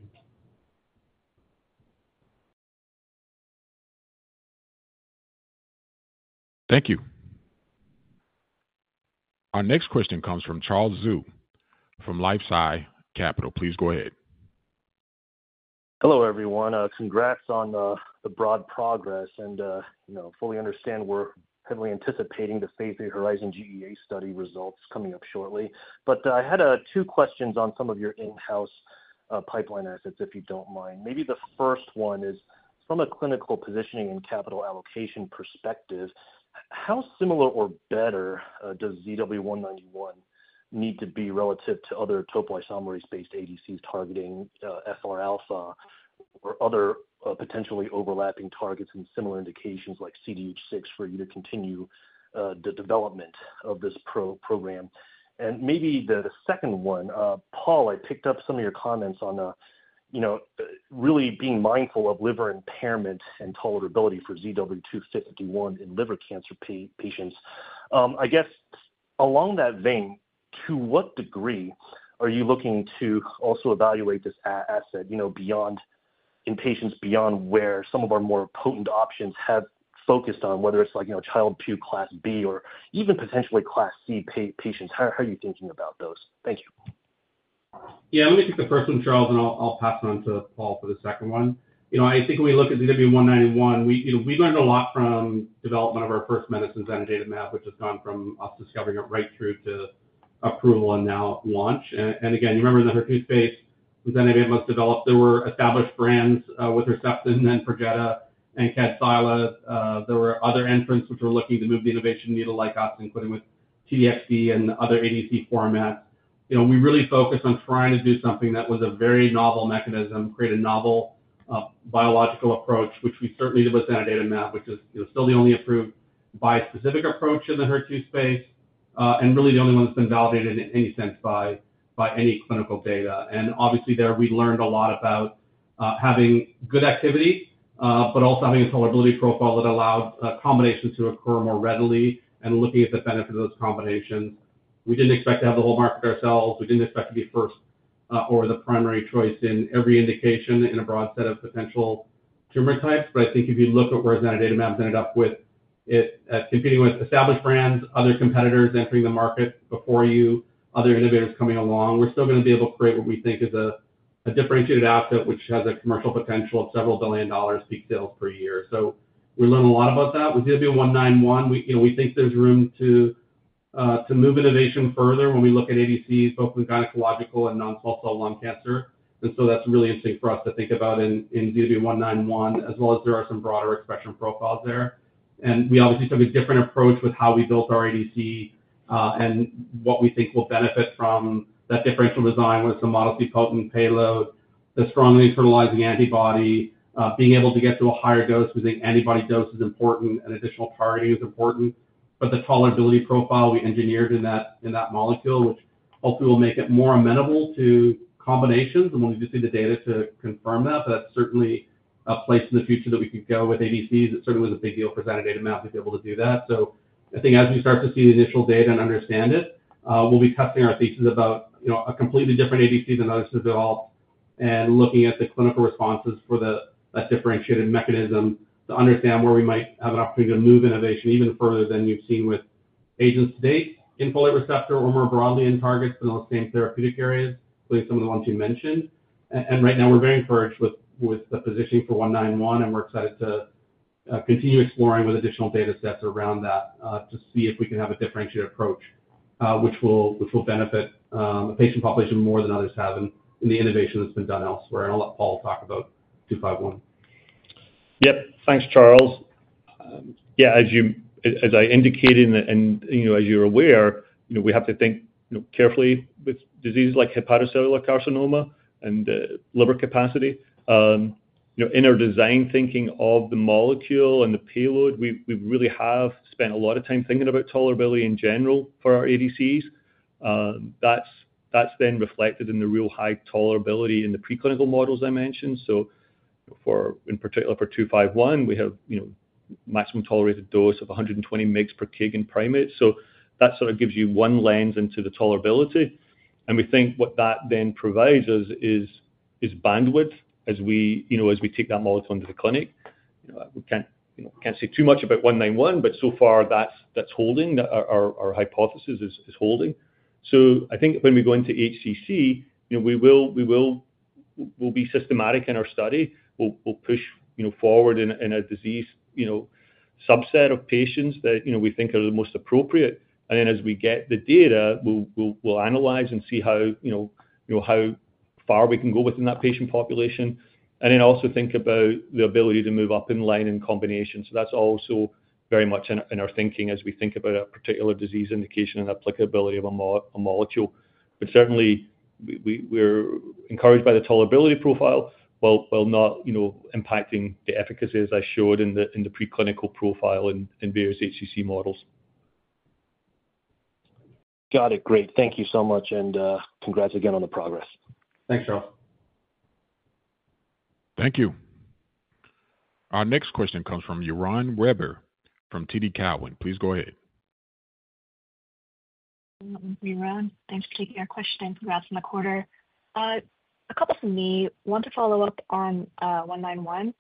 Thank you. Our next question comes from Charles Zhu from LifeSci Capital. Please go ahead. Hello everyone. Congrats on the broad progress and fully understand we're heavily anticipating the faith in Horizon GEA study results coming up shortly. I had two questions on some of your in house pipeline assets if you don't mind. Maybe the first one is from a clinical positioning and capital allocation perspective, how similar or better does ZW191 need to be relative to other topoisomerase based ADCs targeting FR Alpha or other potentially overlapping targets and similar indications like CDH6 for you to continue the development of this program? The second one, Paul, I picked up some of your comments on, you know, really being mindful of liver impairment and tolerability for ZW251 in liver cancer patients. I guess along that vein, to what degree are you looking to also evaluate this asset beyond in patients, beyond where some of our more potent options have focused on whether it's like, you know, Child two, class B or even potentially class C patients. How are you thinking about those? Thank you. Yeah, let me take the first one, Charles, and I'll pass it on to Paul for the second one. I think when we look at ZW191, we learned a lot from development of our first medicines and zanidatamab, which has gone from us discovering it right through to approval and now launch. You remember in the HER2 space with NAV developed, there were established brands with Herceptin and Perjeta and Kadcyla, there were other entrants which were looking to move the innovation needle like us, including T-DXd and other ADC formats. We really focus on trying to do something that was a very novel mechanism, create a novel biological approach, which we certainly did with zanidatamab, which is still the only approved bispecific approach in the HER2 space and really the only one that's been validated in any sense by any clinical data. Obviously, there we learned a lot about having good activity but also having a tolerability profile that allowed combinations to occur more readily and looking at the benefit of those combinations. We didn't expect to have the whole market ourselves. We didn't expect to be first or the primary choice in every indication in a broad set of potential tumor types. I think if you look at where zanidatamab's ended up with it competing with established brands, other competitors entering the market before you, other innovators coming along, we're still going to be able to create what we think is a differentiated asset which has a commercial potential of several billion dollars. Big deal for us. We learn a lot about that with ZW191. We think there's room to move innovation further when we look at gynecological and non-small cell lung cancer. That's really interesting for us to think about in ZW191 as well, as there are some broader expression profiles there. We obviously took a different approach with how we built our ADC and what we think will benefit from that differential design with a monofunctional payload, the strongly internalizing antibody. Being able to get to a higher dose with the antibody dose is important and additional targeting is important. The tolerability profile we engineered in that molecule, which hopefully will make it more amenable to combinations. We'll need to see the data to confirm that, but that's certainly a place in the future that we could go with ADCs. It certainly was a big deal for zanidatamab to be able to do that. I think as we start to see the initial data and understand it, we'll be testing our thesis about, you know, a completely different ADC than others to develop and looking at the clinical responses for the differentiated mechanism to understand where we might have an opportunity to move innovation even further than you've seen with agents today in folate receptor or more broadly in targets, but in the same therapeutic area, some of the ones you mentioned. Right now we're very encouraged with the positioning for ZW191 and we're excited to continue exploring with additional data sets around that to see if we can have a differentiated approach which will benefit the patient population more than others have and the innovation that's been done elsewhere. I'll let Paul talk about 251. Yep. Thanks, Charles. As I indicated and as you're aware, we have to think carefully with diseases like hepatocellular carcinoma and liver capacity. In our design thinking of the molecule and the payload, we really have spent a lot of time thinking about tolerability in general for our ADCs. That's then reflected in the real high tolerability in the preclinical models I mentioned. In particular for ZW251, we have a maximum tolerated dose of 120 mg per kg primate. That gives you one lens into the tolerability. We think what that then provides us is bandwidth as we take that molecule into the clinic. I can't say too much about ZW191, but so far that's holding, our hypothesis is holding. I think when we go into HCC, we will be systematic in our study. We'll push forward in a disease subset of patients that we think are the most appropriate. As we get the data, we'll analyze and see how far we can go within that patient population and also think about the ability to move up in line in combination. That's also very much in our thinking as we think about a particular disease indication and applicability of a molecule. Certainly, we're encouraged by the tolerability profile while not impacting the efficacy as I showed in the preclinical profile in various HCC models. Got it. Great. Thank you so much. Congrats again on the progress. Thanks, Charles. Thank you. Our next question comes from Yaron Werber from TD Cowen. Please go ahead. Yiran, thanks for taking our question. Congrats on the quarter. A couple from me want to follow up on ZW191.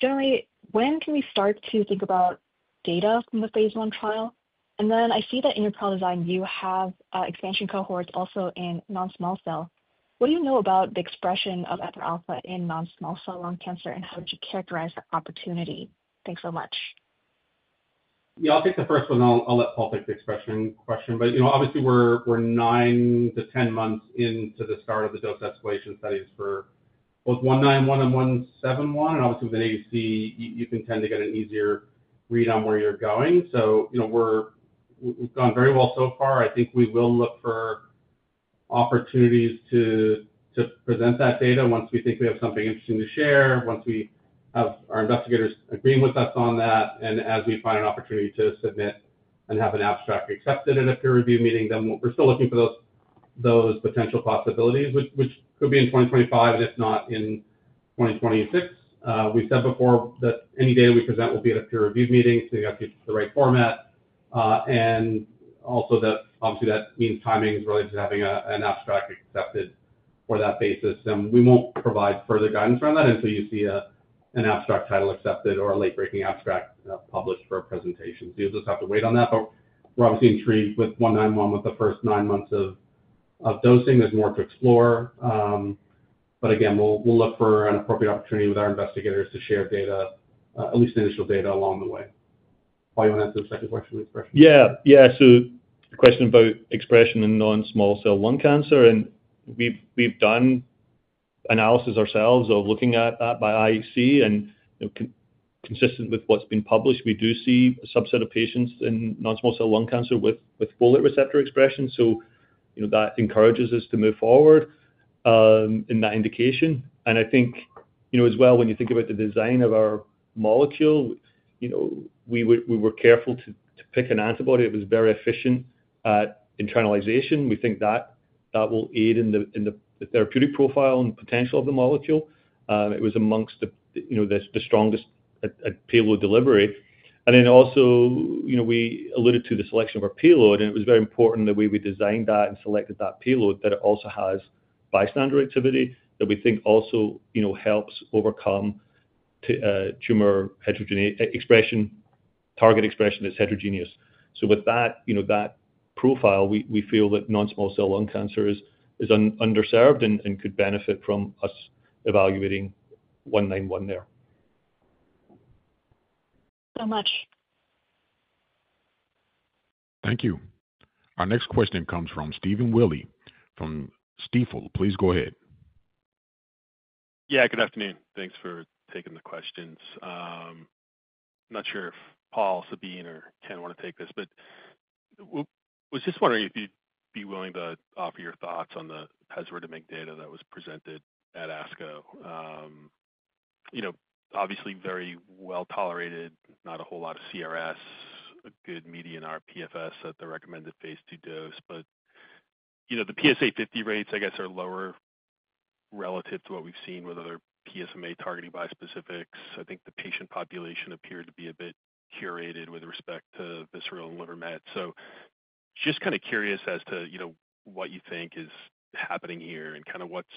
Generally, when can we start to think about data from the phase I trial? I see that in your trial design you have an expansion cohort also in non-small cell. What do you know about the expression of IL4Rα in non-small cell lung cancer and how to characterize the opportunity? Thanks so much. Yeah, I'll take the first one. I'll let Paul take the expression question. We're nine to ten months into the start of the dose escalation studies for both ZW191 and ZW171. With an ADC you can tend to get an easier read on where you're going. We've gone very well so far. I think we will look for opportunities to present that data once we think we have something interesting to share. Once we have our investigators agreeing with us on that and as we find an opportunity to submit and have an abstract accepted in a peer review meeting, we're still looking for those potential possibilities which could be in 2025 and if not in 2026. We said before that any data we present will be at a peer reviewed meeting. You have the right format. That means timing is related to having an abstract accepted for that basis. We won't provide further guidance around that until you see an abstract title accepted or a late breaking abstract published for a presentation. You'll just have to wait on that. We're intrigued with ZW191. With the first nine months of dosing there's more to explore. We'll look for an appropriate opportunity with our investigators to share data, at least initial data along the way. Paul, you want to add this? I think we're actually precious. Yeah, yeah. The question about expression in non-small cell lung cancer, and we've done analysis ourselves of looking at that by IHC, and consistent with what's been published, we do see a subset of patients in non-small cell lung cancer with folate receptor expression. That encourages us to move forward in that indication. I think as well, when you think about the design of our molecule, we were careful to pick an antibody that was very efficient at internalization. We think that will aid in the therapeutic profile and potential of the molecule. It was amongst the strongest payload delivery, and then also we alluded to the selection of our payload, and it was very important the way we designed that and selected that payload, that it also has bystander activity that we think also helps overcome tumor heterogeneity, expression target expression that's heterogeneous. With that profile, we feel that non-small cell lung cancer is underserved and could benefit from us evaluating ZW191 there. So much. Thank you. Our next question comes from Stephen Willey from Stifel. Please go ahead. Good afternoon. Thanks for taking the questions. Not sure if Paul, Sabeen, or Ken want to take this? Wondering if you'd be willing to offer your thoughts on the zanidatamab data that was presented at ASCO. You know, obviously very well tolerated, not a whole lot of CRS, a good median rPFS at the recommended phase II dose. The PSA 50 rates, I guess, are lower relative to what we've seen. With other PSMA-targeting bispecifics, I think the patient population appeared to be a bit curated with respect to visceral and liver met. She's just kind of curious as to what do you think is happening here and kind of what's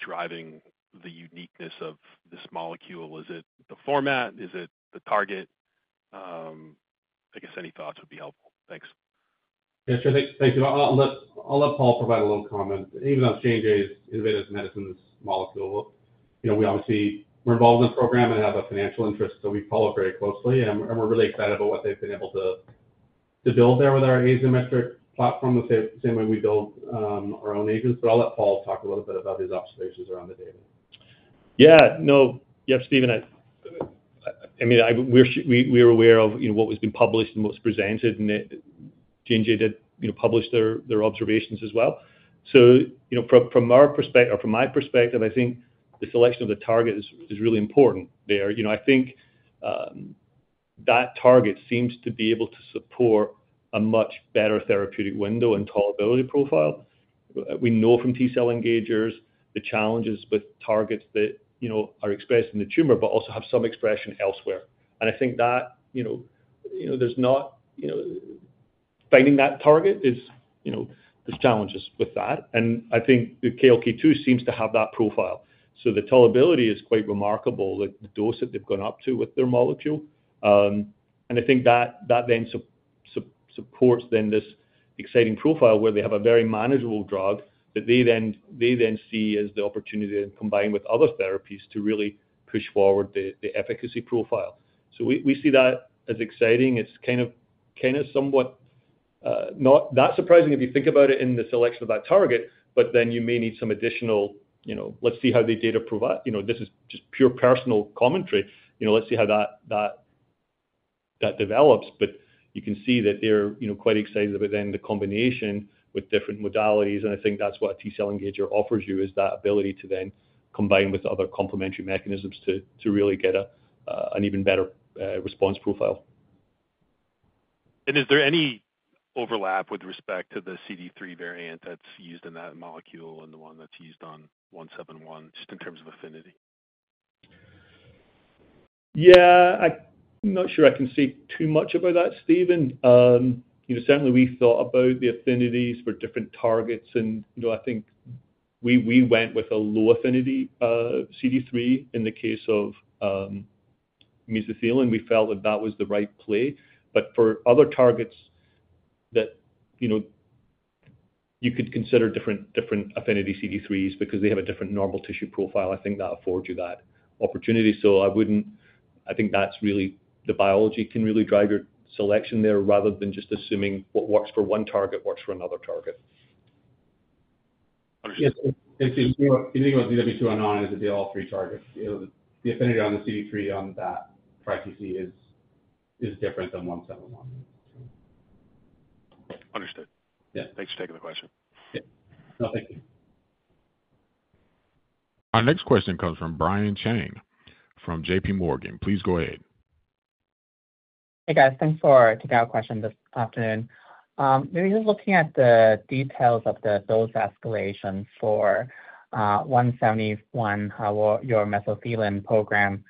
driving the uniqueness of this molecule? Is it the format, is it the target? I guess any thoughts would be helpful, thanks. Yeah, sure. Thank you. I'll let Paul provide a little comment. J&J Innovative Medicines molecule. You know, we obviously were involved in the program and have a financial interest. We follow very closely and we're really excited about what they've been able to build there with our Azymetric platform, the same way we build our own agents. I'll let Paul talk a little bit about his observations around it. Yeah, no, yep. Stephen. I mean we were aware of what was being published and what's presented, and J&J did publish their observations as well. From our perspective, or from my perspective, I think the selection of the target is really important there. I think that target seems to be able to support a much better therapeutic window and tolerability profile. We know from T cell engagers the challenges with targets that are expressed in the tumor but also have some expression elsewhere. I think that finding that target is, you know, there's challenges with that, and I think the KLK2 seems to have that profile. The tolerability is quite remarkable, like the dose that they've gone up to with their molecule. I think that then supports this exciting profile where they have a very manageable drug that they then see as the opportunity and combine with other therapies to really push forward the efficacy profile. We see that as exciting. It's kind of somewhat not that surprising if you think about it in the selection of that target. You may need some additional—let's see how the data prove that. This is just pure personal commentary. Let's see how that develops. You can see that they're quite excited about the combination with different modalities. I think that's what a T cell engager offers you, is that ability to then combine with other complementary mechanisms to really get an even better response profile. Is there any overlap with respect. To the CD3 variant that's used in that molecule and the one that's used on ZW171 just in terms of affinity? Yeah, I'm not sure I can say too much about that, Stephen. Certainly, we thought about the affinities for different targets, and I think we went with a low affinity CD3 in the case of mesothelin. We felt that that was the right play. For other targets, you could consider different affinity CD3s because they have a different normal tissue profile. I think that affords you that opportunity. I think that's really it. The biology can really drive your selection there rather than just assuming what works for one target works for another target. The affinity on the CD3 on that trispecific is different than ZW171 Understood. Yeah, thanks for taking the question. Thank you. Our next question comes from Brian Chang from JPMorgan. Please go ahead. Hey guys, thanks for taking our question this afternoon. We were just looking at the details of the dose escalation for ZW171. How your methylphelin program.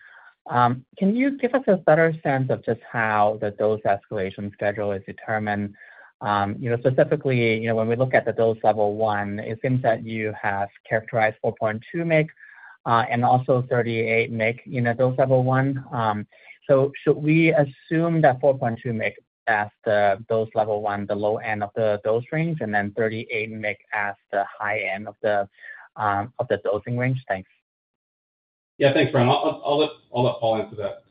Can you give us a better sense? Of just how the dose escalation schedule is determined? You know, specifically, you know, when we look at the dose level one it seems that you have characterized 4.2 mg and also 38 mg in a dose level one. Should we assume that 4.2 mg as the dose level one, the low end of the dose range, and then 38 mg as the high end of the dosing range? Thanks. Yeah, thanks Brian. I'll let Paul answer that.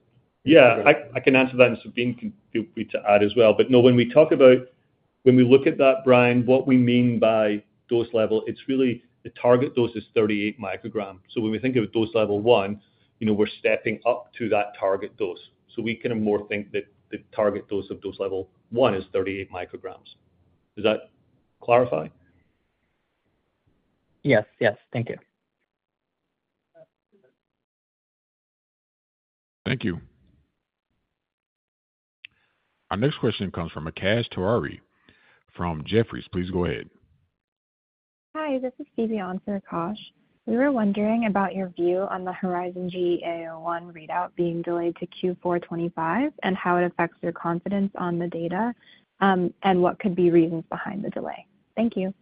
Yeah, I can answer that. Sabeen can feel free to add as well. No, when we talk about, when we look at that, Brian, what we mean by dose level, it's really the target dose is 38μg. When we think of dose level one, we're stepping up to that target dose, so we can more think that the target dose of dose level one is 38 μg. Does that clarify? Yes, thank you. Thank you. Our next question comes from Akash Tewari from Jefferies, please go ahead. Hi, this is Stevie on for Akash, we were wondering about your view on the Horizon GAO1 readout being delayed to Q4 2025 and how it affects your confidence on the data and what could be reasons behind the delay. Thank you.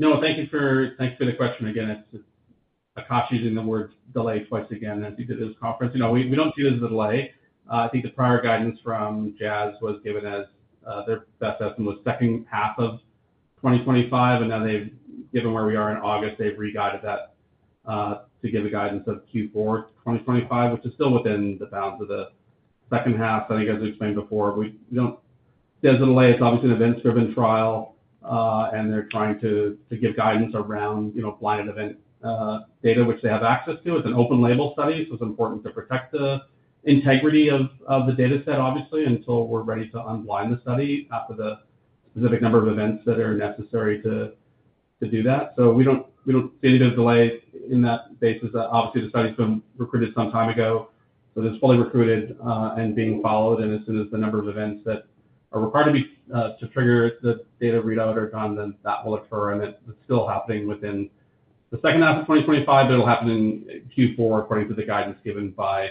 Noah. Thank you for the question. Again, it's a cost using the word delay twice again as you did this conference. We don't see this as a delay. I think the prior guidance from Jazz Pharmaceuticals was given as their best estimate, second half of 2025, and now they've given where we are in August, they've re-guided that to give a guidance of Q4 2025, which is still within the bounds of the second half. I think as explained before, design lay, it's obviously an events-driven trial and they're trying to give guidance around blind event data which they have access to. It's an open-label study, so it's important to protect the integrity of the data set until we're ready to unblind the study after the specific number of events that are necessary to do that. We don't see any of those delays in that. The study's been recruited some time ago, but it's fully recruited and being followed. As soon as the number of events that are required to trigger the data readout are done, then that will occur. That's still happening within the second half of 2025. It'll happen in Q4 according to the guidance given by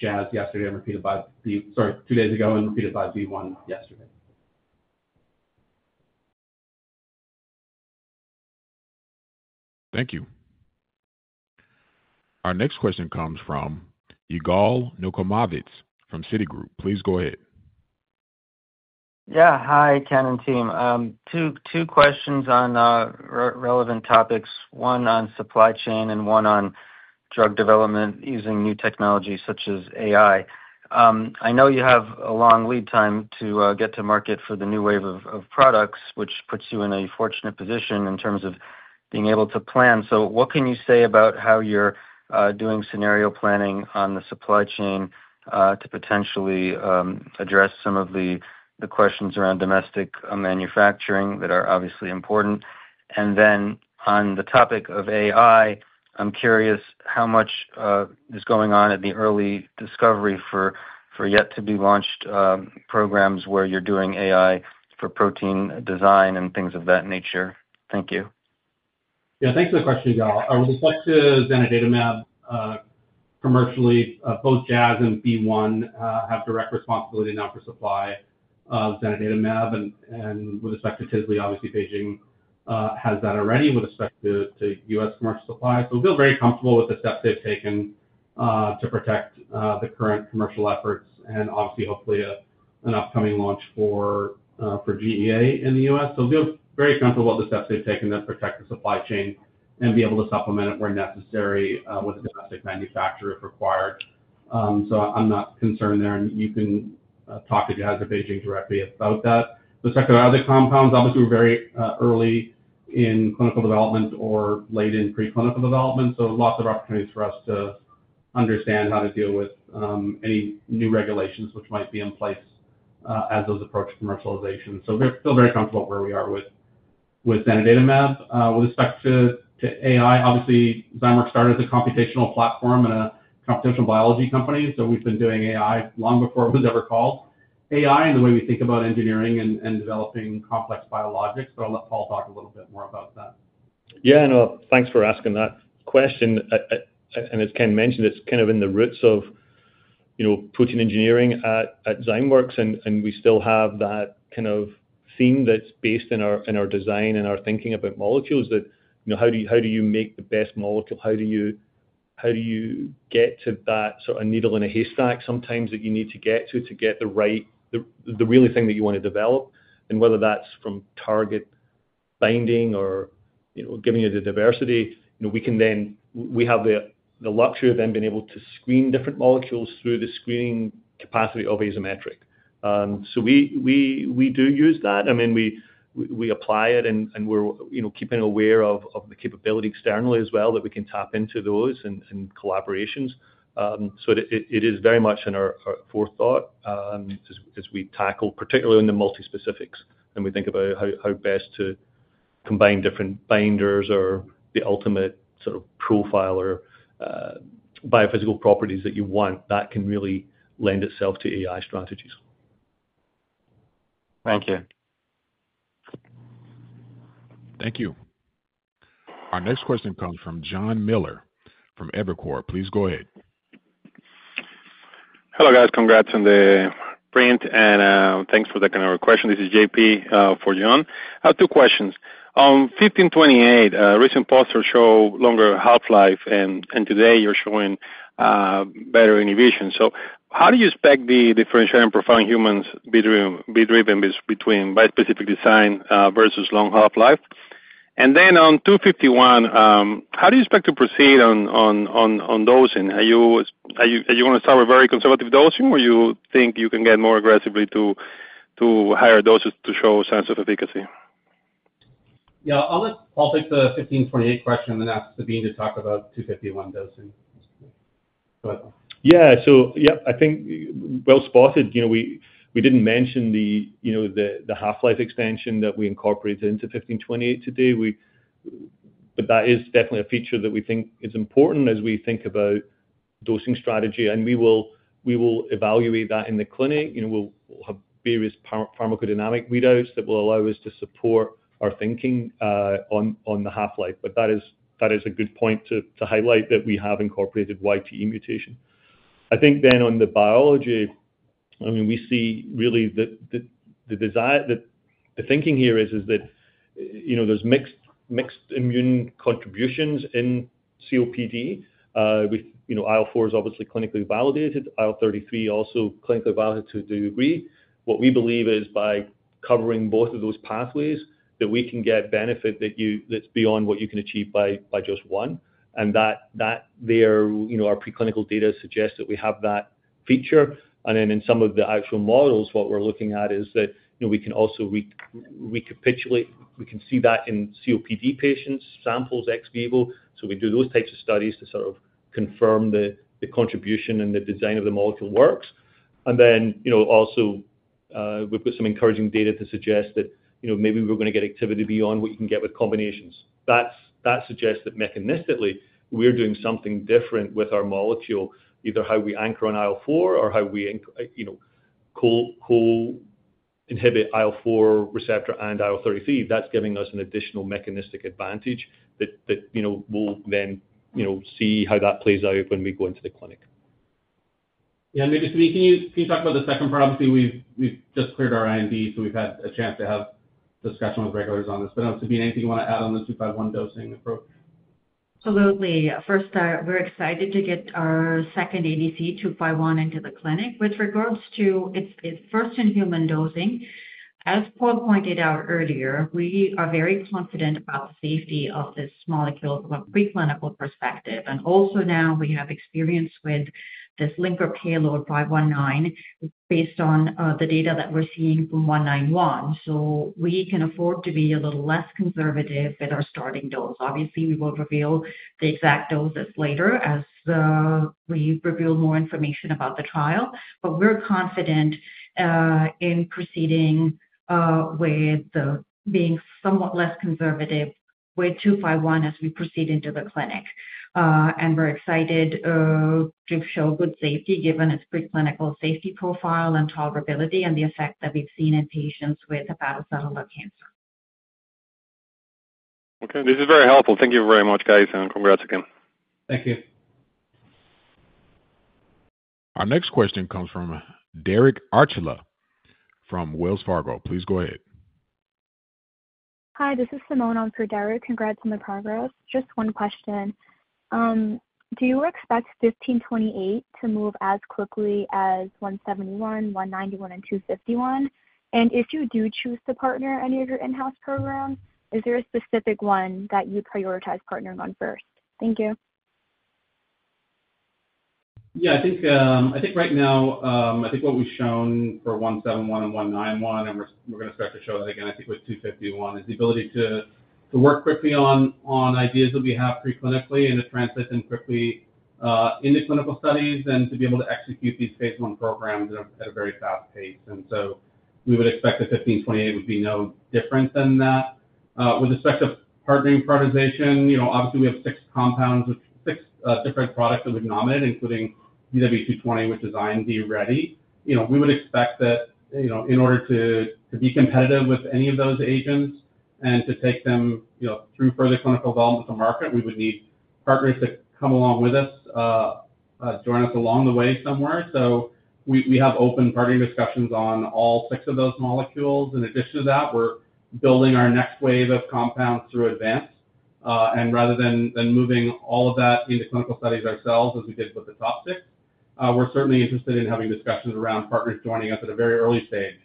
Jazz Pharmaceuticals two days ago and repeated by V1 yesterday. Thank you. Our next question comes from Yigal Nochomovitz from Citigroup. Please go ahead. Yeah, hi Ken and team. Two questions on relevant topics, one on supply chain and one on drug development using new technology such as AI. I know you have a long lead time to get to market for the new wave of products, which puts you in a fortunate position in terms of being able to plan. What can you say about how you're doing scenario planning on the supply chain to potentially address some of the questions around domestic manufacturing that are obviously important? On the topic of AI. I'm curious how much is going on. At the early discovery for yet to be launched programs where you're doing AI for protein design and things of that nature. Thank you. Yeah, thanks for the question. With respect to zanidatamab commercially, both Jazz Pharmaceuticals and BeiGene have direct responsibility now for supply of zanidatamab. With respect to this, obviously BeiGene has that already with respect to U.S. market supply. We feel very comfortable with the steps they've taken to protect the current commercial efforts and hopefully an upcoming launch for GEA in the U.S. We are very comfortable with the steps they've taken to protect the supply chain and be able to supplement it where necessary with a domestic manufacturer if required. I'm not concerned there and you can talk to Jazz Pharmaceuticals or BeiGene directly about that. The second compounds obviously are very early in clinical development or late in preclinical development. There are lots of opportunities for us to understand how to deal with any new regulations which might be in place as those approach commercialization. We are still very comfortable where we are with zanidatamab. With respect to AI, obviously Vammark started the computational platform and a computational biology company. We've been doing AI long before it was ever called AI and the way we think about engineering and developing complex biologics. I'll let Paultalk a little bit more about that. Yeah, no, thanks for asking that question. As Ken mentioned, it's kind of in the roots of putting engineering at Zymeworks, and we still have that kind of theme that's based in our design and our thinking about molecules—how do you make the best molecule, how do you get to that sort of needle in a haystack sometimes that you need to get to to get the right, the really thing that you want to develop. Whether that's from target binding or giving it a diversity, we have the luxury of then being able to screen different molecules through the screening capacity of Azymetric. We do use that. I mean, we apply it, and we're keeping aware of the capability externally as well that we can tap into those and collaborations. It is very much in our forethought as we tackle particularly in the multispecifics, and we think about how best to combine different binders or the ultimate sort of profile or biophysical properties that you want that can really lend itself to AI strategies. Thank you. Thank you. Our next question comes from John Miller from Evercore. Please go ahead. Hello guys. Congrats on the print and thanks for taking our question. This is JP for John. I have two questions on ZW1528. Recent posters show longer half-life, and today you're showing better inhibition. How do you expect the differentiating profound humans be driven between bispecific design versus long half-life? On ZW251, how do you expect to proceed on dosing? Are you going to start with very conservative dosing, or do you think you can get more aggressively to higher doses to show signs of efficacy? Yeah, I'll let Paul take the ZW1528 question and ask Sabeen to talk about ZW251 dosing. Yeah, I think well spotted. You know, we didn't mention the half-life extension that we incorporated into ZW1528 today. That is definitely a feature that we think is important as we think about dosing strategy, and we will evaluate that in the clinic. We'll have various pharmacodynamic readouts that will allow us to support our thinking on the half-life. That is a good point to highlight that we have incorporated YTE mutation. I think then on the biology, we see really that the desire, that the thinking here is that there's mixed immune contributions in COPD. IL4 is obviously clinically validated. IL33 also clinically validated to a degree. What we believe is by covering both of those pathways, we can get benefit that's beyond what you can achieve by just one. Our preclinical data suggests that we have that feature. In some of the actual models, what we're looking at is that we can also recapitulate, we can see that in COPD patient samples ex vivo. We do those types of studies to sort of confirm the contribution and the design of the molecule works. Also, we've got some encouraging data to suggest that maybe we're going to get activity beyond what you can get with combinations. That suggests that mechanistically we're doing something different with our molecule, either how we anchor on IL4 or how we wholly inhibit IL4 receptor and IL33. That's giving us an additional mechanistic advantage that we'll then see how that plays out when we go into the clinic. Yeah, can you talk about the second part? Obviously we just cleared our IND, so we've had a chance to have discussion with regulators on this. Now, Sabeen, anything you want to add on the ZW251 dosing approach? Absolutely. First, we're excited to get our second ADC, ZW251, into the clinic with regards to its first-in-human dosing. As Paul pointed out earlier, we are very confident about the safety of this molecule from a preclinical perspective. We also now have experience with this linker payload, 519, based on the data that we're seeing from ZW191. We can afford to be a little less conservative with our starting dose. We will reveal the exact doses later as we reveal more information about the trial, but we're confident in proceeding with being somewhat less conservative with ZW251 as we proceed into the clinic. We're excited to show good safety given its preclinical safety profile and tolerability and the effect that we've seen in patients with hepatocellular carcinoma. Okay, this is very helpful. Thank you very much, guys, and congrats again. Thank you. Our next question comes from Derek Archila from Wells Fargo. Please go ahead. Hi, this is Simone on for Derek. Congrats on the progress. Just one question. Do you expect ZW1528 to move as quickly as ZW171, ZW191, and ZW251, and if you do choose to partner any of your in-house programs, is there a specific one that you prioritize partnering on first? Thank you. Yeah, I think right now what we've shown for ZW171 and ZW191, and we're going to start to show that again, I think with ZW251, is the ability to work quickly on ideas that we have preclinically and translate them quickly into clinical studies and to be able to execute these phase I programs at a very fast pace. We would expect that ZW1528 would be no different than that. With respect to partnering prioritization, obviously we have six compounds with six different products that we've nominated, including ZW220, which is IND ready. We would expect that in order to be competitive with any of those agents and to bring further clinical development to the market, we would need progress to come along with us, join us along the way somewhere. We have open partnering discussions on all six of those molecules. In addition to that, we're building our next wave of compounds through advance, and rather than moving all of that into clinical studies ourselves as we did with the tox, we're certainly interested in having discussions around partners joining us at a very early stage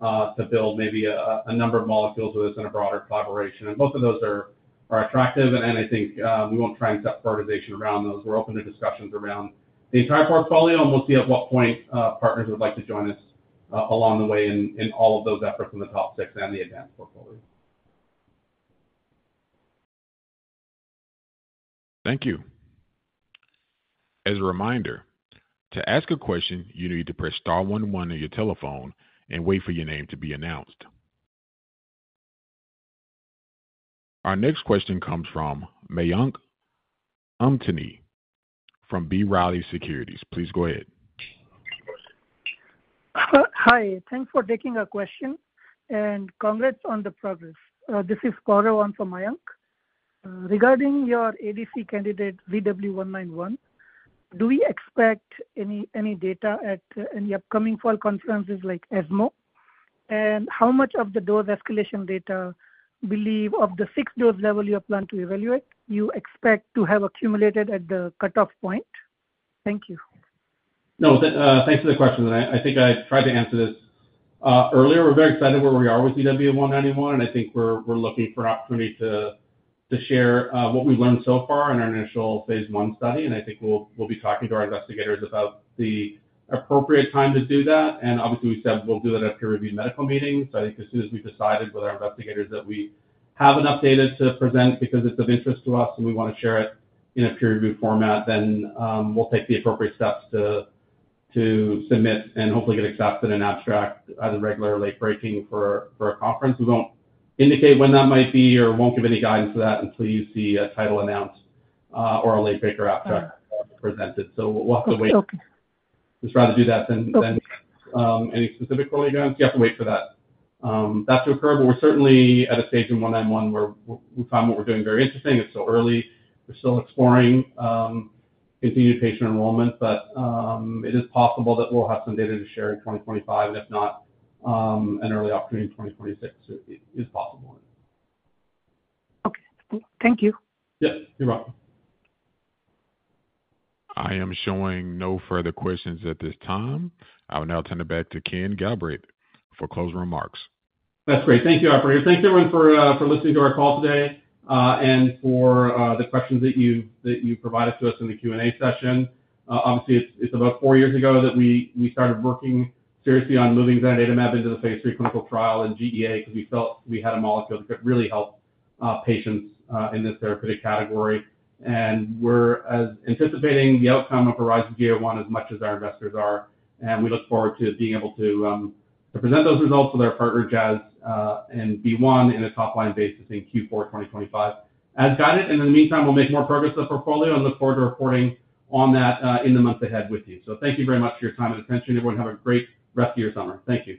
to build maybe a number of molecules with us in a broader collaboration. Both of those are attractive, and I think we won't try and set prioritization around those. We're open to discussions around the entire portfolio, and we'll see at what point partners would like to join us along the way in all of those efforts in the top six and the advanced portfolio. Thank you. As a reminder to ask a question, you need to press Star one one on your telephone and wait for your name to be announced. Our next question comes from Mayank Amtani from B. Riley Securities. Please go ahead. Hi. Thanks for taking a question and congrats on the progress. This isSoundarya for Mayank. Regarding your ADC candidate, ZW191, do we expect any data at any upcoming fall conferences like ESMO, and how much of the dose escalation data, of the six dose levels you have planned to evaluate, do you expect to have accumulated at the cut-off point? Thank you. No, thanks for the question. I think I tried to answer this earlier. We're very excited where we are with ZW191 and I think we're looking for an opportunity to share what we've learned so far on our initial phase I study. I think we'll be talking to our investigators about the appropriate time to do that. Obviously, we said we'll do it at peer review medical meetings. I think as soon as we've decided with our investigators that we have enough data to present because it's of interest to us and we want to share it in a peer review format, then we'll take the appropriate steps to submit and hopefully get accepted in abstract, either regular or late breaking for a conference. We won't indicate when that might be or won't give any guidance to that until you see a title announced or a late breaker after presented. We'll have to wait. I'd just rather do that than any specific pictograms. You have to wait for that that's occurred. We're certainly at a stage in ZW191 where we found what we're doing very interesting. It's so early. We're still exploring continued patient enrolment, but it is possible that we'll have some data to share in 2025, and if not, an early opportunity in 2026 is possible. Okay. Thank you. Yeah, you're welcome. I am showing no further questions at this time. I will now turn it back to Kenneth Galbraith for closing remarks. That's great. Thank you, operator. Thanks, everyone, for listening to our call today and for the questions that you provided to us in the Q&A session. Obviously, it's about four years ago that we started working seriously on moving zanidatamab into the phase III clinical trial in GEA because we felt we had a molecule that could really help patients in this therapeutic category. We're anticipating the outcome of Horizon GEA-1 as much as our investors are, and we look forward to being able to present those results with our partner Jazz Pharmaceuticals and BeiGene on a top-line basis in Q4 2025 as guided. In the meantime, we'll make more progress with the portfolio and look forward to reporting on that in the months ahead with you. Thank you very much for your time and attention, everyone. Have a great rest of your summer. Thank you.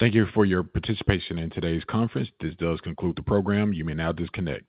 Thank you for your participation in today's conference. This does conclude the program. You may now disconnect.